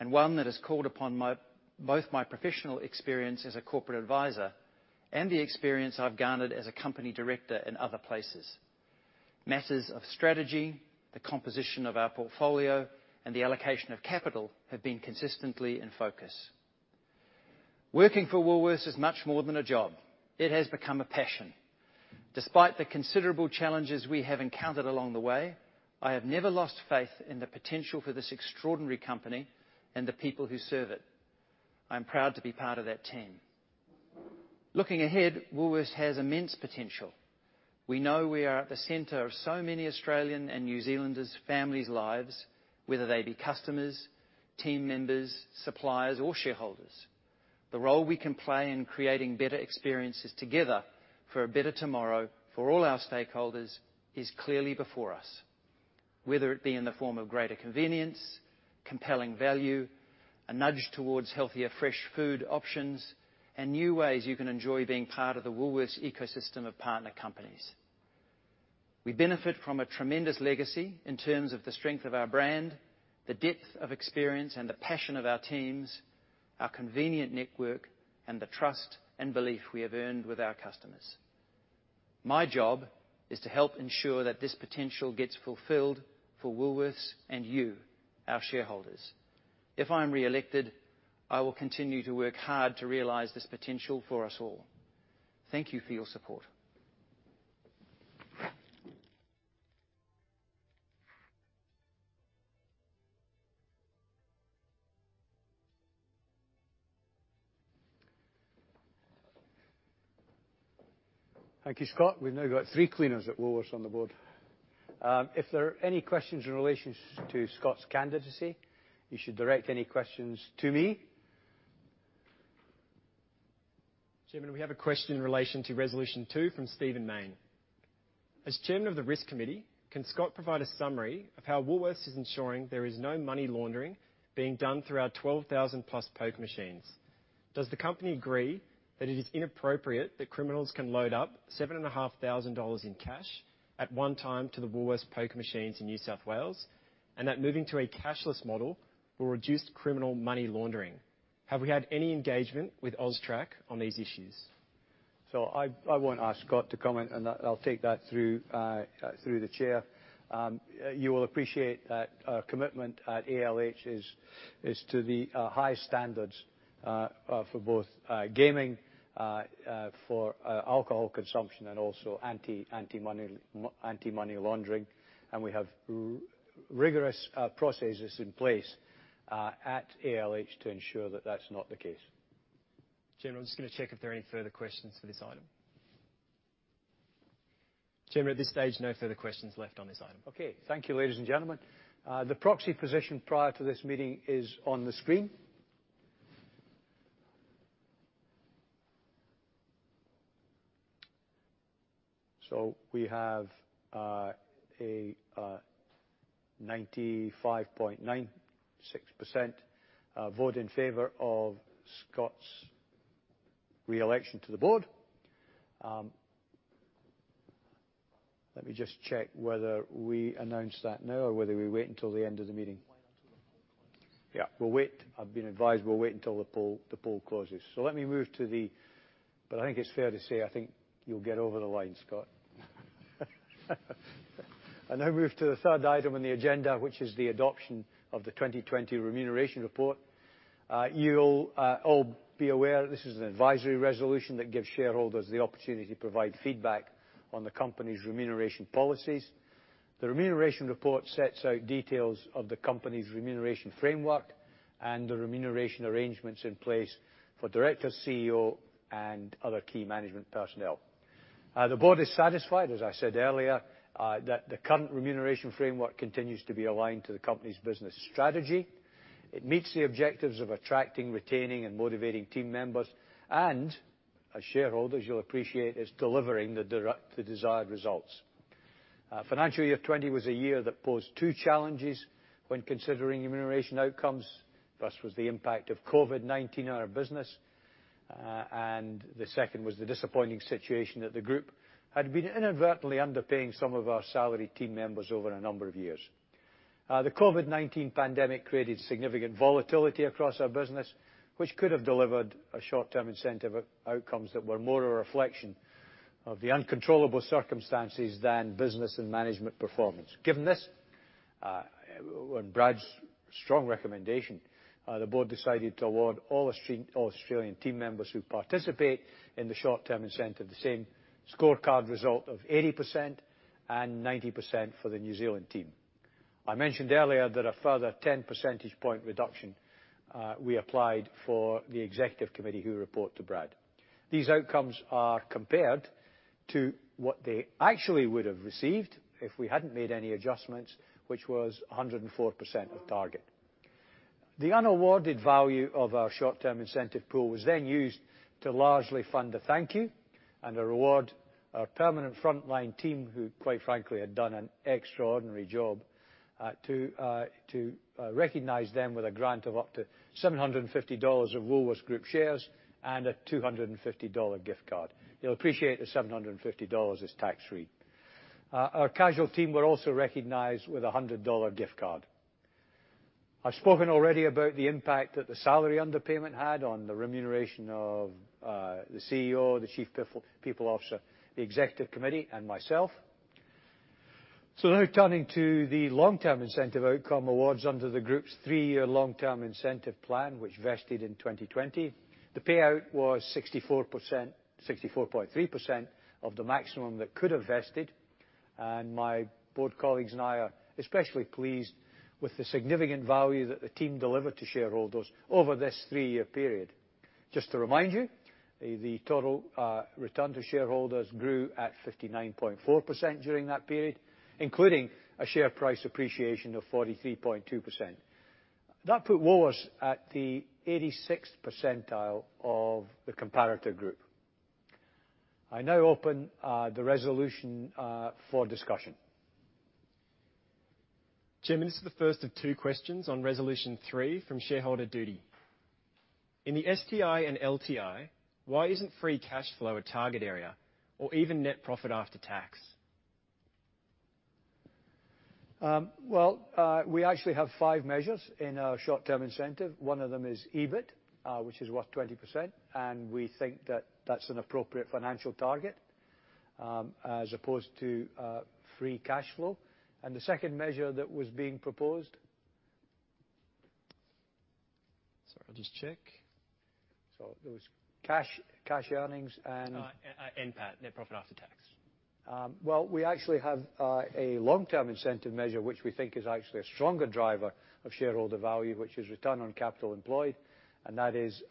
and one that has called upon my, both my professional experience as a corporate advisor and the experience I've garnered as a company director in other places. Matters of strategy, the composition of our portfolio, and the allocation of capital have been consistently in focus. Working for Woolworths is much more than a job. It has become a passion. Despite the considerable challenges we have encountered along the way, I have never lost faith in the potential for this extraordinary company and the people who serve it. I'm proud to be part of that team. Looking ahead, Woolworths has immense potential. We know we are at the center of so many Australian and New Zealanders' families' lives, whether they be customers, team members, suppliers or shareholders. The role we can play in creating better experiences together for a better tomorrow for all our stakeholders is clearly before us, whether it be in the form of greater convenience, compelling value, a nudge towards healthier fresh food options, and new ways you can enjoy being part of the Woolworths ecosystem of partner companies. We benefit from a tremendous legacy in terms of the strength of our brand, the depth of experience and the passion of our teams, our convenient network, and the trust and belief we have earned with our customers. My job is to help ensure that this potential gets fulfilled for Woolworths and you, our shareholders. If I am re-elected, I will continue to work hard to realize this potential for us all. Thank you for your support. Thank you, Scott. We've now got three independents at Woolworths on the board. If there are any questions in relation to Scott's candidacy, you should direct any questions to me. Chairman, we have a question in relation to Resolution Two from Stephen Main. As chairman of the Risk Committee, can Scott provide a summary of how Woolworths is ensuring there is no money laundering being done through our 12,000 plus poker machines? Does the company agree that it is inappropriate that criminals can load up 7,500 dollars in cash at one time to the Woolworths poker machines in New South Wales, and that moving to a cashless model will reduce criminal money laundering? Have we had any engagement with AUSTRAC on these issues? So I won't ask Scott to comment on that. I'll take that through the Chair. You will appreciate that our commitment at ALH is to the high standards for both gaming for alcohol consumption, and also anti-money laundering. And we have rigorous processes in place at ALH to ensure that that's not the case. Chairman, I'm just gonna check if there are any further questions for this item. Chairman, at this stage, no further questions left on this item. Okay. Thank you, ladies and gentlemen. The proxy position prior to this meeting is on the screen, so we have a 95.96% vote in favor of Scott's re-election to the board. Let me just check whether we announce that now or whether we wait until the end of the meeting. Why not until the poll closes? Yeah, we'll wait. I've been advised we'll wait until the poll closes, so let me move to... But I think it's fair to say, I think you'll get over the line, Scott. I now move to the third item on the agenda, which is the adoption of the 2020 Remuneration Report. You'll all be aware, this is an advisory resolution that gives shareholders the opportunity to provide feedback on the company's remuneration policies. The Remuneration Report sets out details of the company's remuneration framework and the remuneration arrangements in place for directors, CEO, and other key management personnel. The board is satisfied, as I said earlier, that the current remuneration framework continues to be aligned to the company's business strategy. It meets the objectives of attracting, retaining, and motivating team members, and as shareholders, you'll appreciate, it's delivering the desired results. Financial year 2020 was a year that posed two challenges when considering remuneration outcomes. First was the impact of COVID-19 on our business, and the second was the disappointing situation that the group had been inadvertently underpaying some of our salaried team members over a number of years. The COVID-19 pandemic created significant volatility across our business, which could have delivered a short-term incentive outcomes that were more a reflection of the uncontrollable circumstances than business and management performance. Given this, on Brad's strong recommendation, the board decided to award all Australian team members who participate in the short-term incentive, the same scorecard result of 80% and 90% for the New Zealand team. I mentioned earlier that a further ten percentage point reduction we applied for the executive committee who report to Brad. These outcomes are compared to what they actually would have received if we hadn't made any adjustments, which was 104% of target. The unawarded value of our short-term incentive pool was then used to largely fund a thank you and a reward our permanent frontline team, who, quite frankly, had done an extraordinary job, to recognize them with a grant of up to 750 dollars of Woolworths Group shares and a 250 dollar gift card. You'll appreciate the 750 dollars is tax-free. Our casual team were also recognized with a 100 dollar gift card. I've spoken already about the impact that the salary underpayment had on the remuneration of, the CEO, the Chief People Officer, the executive committee and myself. So now turning to the long-term incentive outcome awards under the group's three-year long-term incentive plan, which vested in 2020. The payout was 64%, 64.3% of the maximum that could have vested, and my board colleagues and I are especially pleased with the significant value that the team delivered to shareholders over this three-year period. Just to remind you, the total return to shareholders grew at 59.4% during that period, including a share price appreciation of 43.2%. That put Woolworths at the eighty-sixth percentile of the comparator group. I now open the resolution for discussion. Chairman, this is the first of two questions on Resolution 3 from Shareholder Doody. In the STI and LTI, why isn't free cash flow a target area or even net profit after tax? Well, we actually have five measures in our short-term incentive. One of them is EBIT, which is worth 20%, and we think that that's an appropriate financial target, as opposed to free cash flow. The second measure that was being proposed? Sorry, I'll just check. So there was cash, cash earnings and- NPAT, net profit after tax. We actually have a long-term incentive measure, which we think is actually a stronger driver of shareholder value, which is return on capital employed, and that is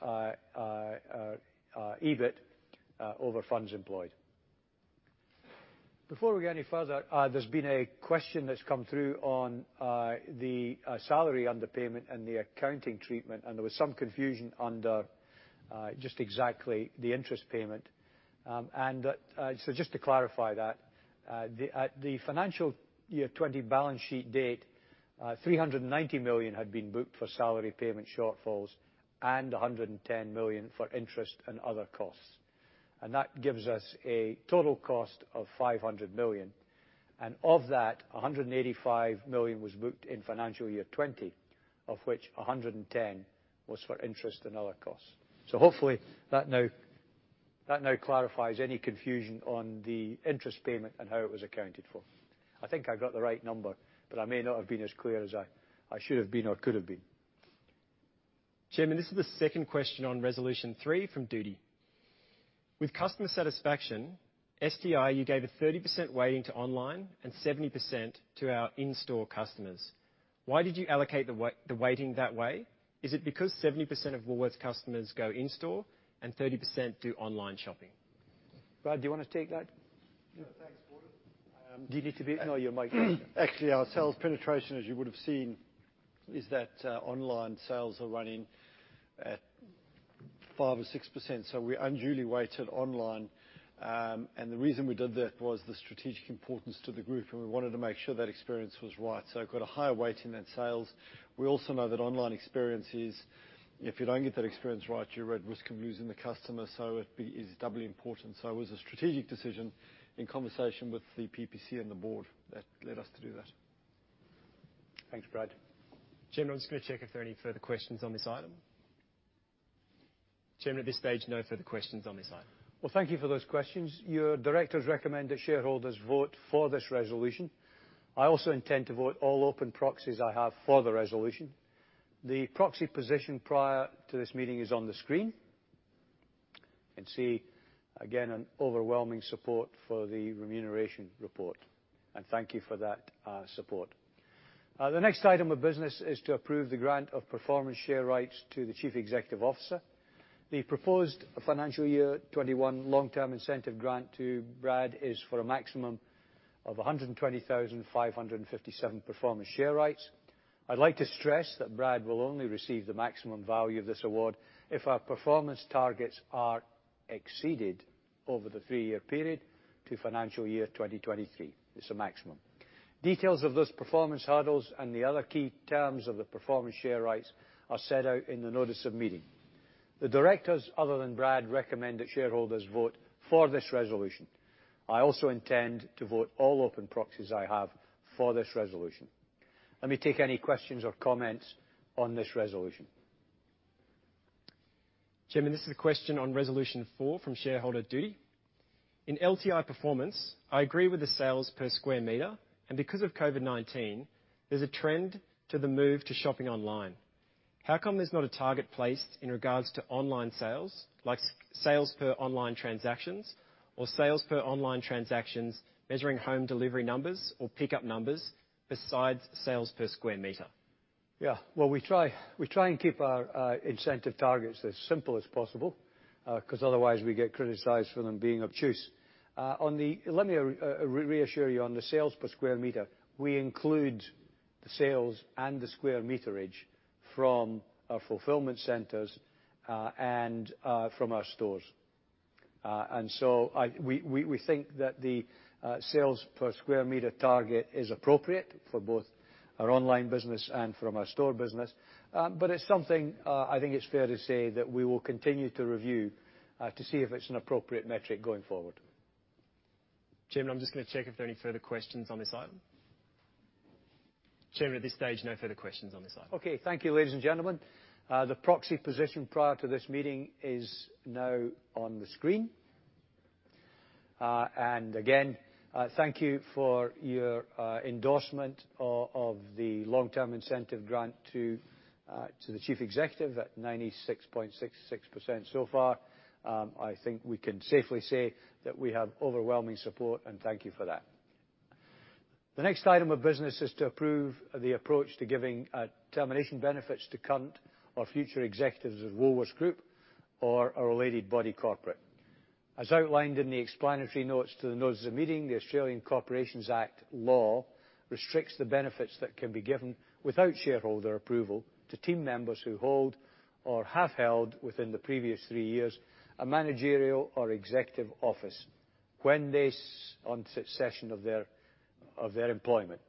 EBIT over funds employed. Before we go any further, there's been a question that's come through on the salary underpayment and the accounting treatment, and there was some confusion under just exactly the interest payment. So just to clarify that, at the financial year 2020 balance sheet date, 390 million had been booked for salary payment shortfalls and 110 million for interest and other costs. That gives us a total cost of 500 million. Of that, 185 million was booked in financial year 2020, of which 110 million was for interest and other costs. So hopefully, that now clarifies any confusion on the interest payment and how it was accounted for. I think I got the right number, but I may not have been as clear as I should have been or could have been. Chairman, this is the second question on Resolution 3 from Doody. With customer satisfaction, STI, you gave a 30% weighting to online and 70% to our in-store customers. Why did you allocate the weighting that way? Is it because 70% of Woolworths customers go in-store and 30% do online shopping? Brad, do you want to take that? Yeah, thanks, Gordon. Do you need to be...? No, your mic. Actually, our sales penetration, as you would have seen, is that online sales are running at 5 or 6%, so we unduly weighted online. And the reason we did that was the strategic importance to the group, and we wanted to make sure that experience was right. So it got a higher weighting in sales. We also know that online experience is, if you don't get that experience right, you're at risk of losing the customer, so it is doubly important. So it was a strategic decision in conversation with the PPC and the board that led us to do that. Thanks, Brad. Chairman, I'm just going to check if there are any further questions on this item. Chairman, at this stage, no further questions on this item. Thank you for those questions. Your directors recommend that shareholders vote for this resolution. I also intend to vote all open proxies I have for the resolution. The proxy position prior to this meeting is on the screen. You can see, again, an overwhelming support for the Remuneration Report, and thank you for that, support. The next item of business is to approve the grant of performance share rights to the Chief Executive Officer. The proposed financial year 2021 long-term incentive grant to Brad is for a maximum of 120,557 performance share rights. I'd like to stress that Brad will only receive the maximum value of this award if our performance targets are exceeded over the three-year period to financial year 2023. It's a maximum. Details of those performance hurdles and the other key terms of the performance share rights are set out in the Notice of Meeting. The directors, other than Brad, recommend that shareholders vote for this resolution. I also intend to vote all open proxies I have for this resolution. Let me take any questions or comments on this resolution. Chairman, this is a question on Resolution 4 from shareholder Doody. In LTI performance, I agree with the sales per square metre, and because of COVID-19, there's a trend to the move to shopping online. How come there's not a target placed in regards to online sales, like sales per online transactions, measuring home delivery numbers or pickup numbers besides sales per square metre? Yeah. Well, we try, we try and keep our incentive targets as simple as possible, 'cause otherwise we get criticized for them being obtuse. On the... Let me reassure you, on the sales per square metre, we include the sales and the square metreage from our fulfilment centres and from our stores. And so we think that the sales per square metre target is appropriate for both our online business and from our store business. But it's something I think it's fair to say that we will continue to review to see if it's an appropriate metric going forward. Chairman, I'm just going to check if there are any further questions on this item. Chairman, at this stage, no further questions on this item. Okay. Thank you, ladies and gentlemen. The proxy position prior to this meeting is now on the screen, and again, thank you for your endorsement of the long-term incentive grant to the Chief Executive at 96.66% so far. I think we can safely say that we have overwhelming support, and thank you for that. The next item of business is to approve the approach to giving termination benefits to current or future executives of Woolworths Group or a related body corporate. As outlined in the explanatory notes to the notice of the meeting, the Australian Corporations Act law restricts the benefits that can be given without shareholder approval to team members who hold or have held, within the previous three years, a managerial or executive office when they cease on cessation of their employment.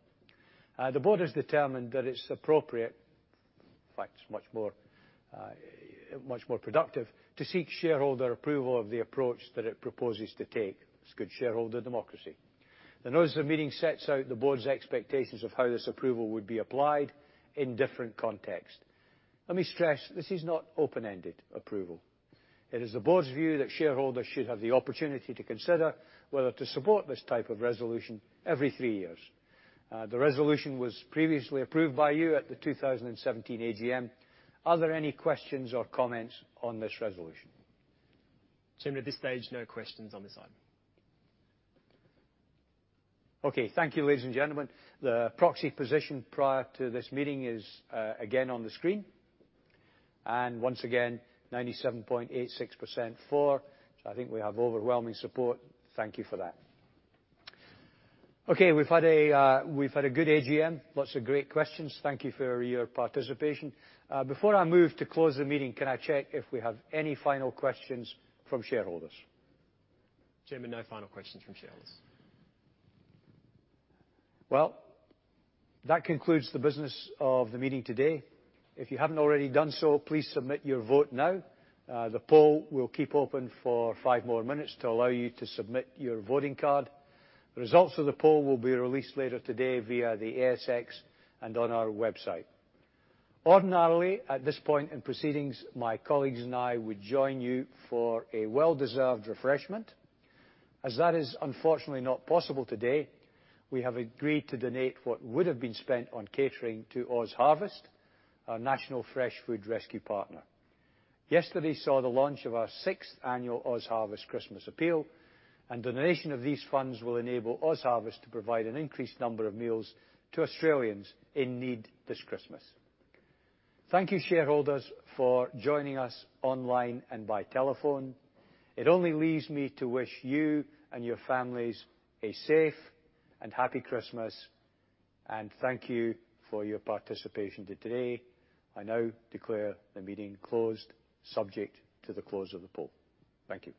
The board has determined that it's appropriate, in fact, much more, much more productive, to seek shareholder approval of the approach that it proposes to take. It's good shareholder democracy. The notice of the meeting sets out the board's expectations of how this approval would be applied in different contexts. Let me stress, this is not open-ended approval. It is the board's view that shareholders should have the opportunity to consider whether to support this type of resolution every three years. The resolution was previously approved by you at the 2017 AGM. Are there any questions or comments on this resolution? Chairman, at this stage, no questions on this item. Okay. Thank you, ladies and gentlemen. The proxy position prior to this meeting is, again, on the screen, and once again, 97.86% for. So I think we have overwhelming support. Thank you for that. Okay, we've had a good AGM, lots of great questions. Thank you for your participation. Before I move to close the meeting, can I check if we have any final questions from shareholders? Chairman, no final questions from shareholders. That concludes the business of the meeting today. If you haven't already done so, please submit your vote now. The poll will keep open for five more minutes to allow you to submit your voting card. The results of the poll will be released later today via the ASX and on our website. Ordinarily, at this point in proceedings, my colleagues and I would join you for a well-deserved refreshment. As that is unfortunately not possible today, we have agreed to donate what would have been spent on catering to OzHarvest, our national fresh food rescue partner. Yesterday saw the launch of our sixth annual OzHarvest Christmas Appeal, and donation of these funds will enable OzHarvest to provide an increased number of meals to Australians in need this Christmas. Thank you, shareholders, for joining us online and by telephone. It only leaves me to wish you and your families a safe and happy Christmas, and thank you for your participation today. I now declare the meeting closed, subject to the close of the poll. Thank you.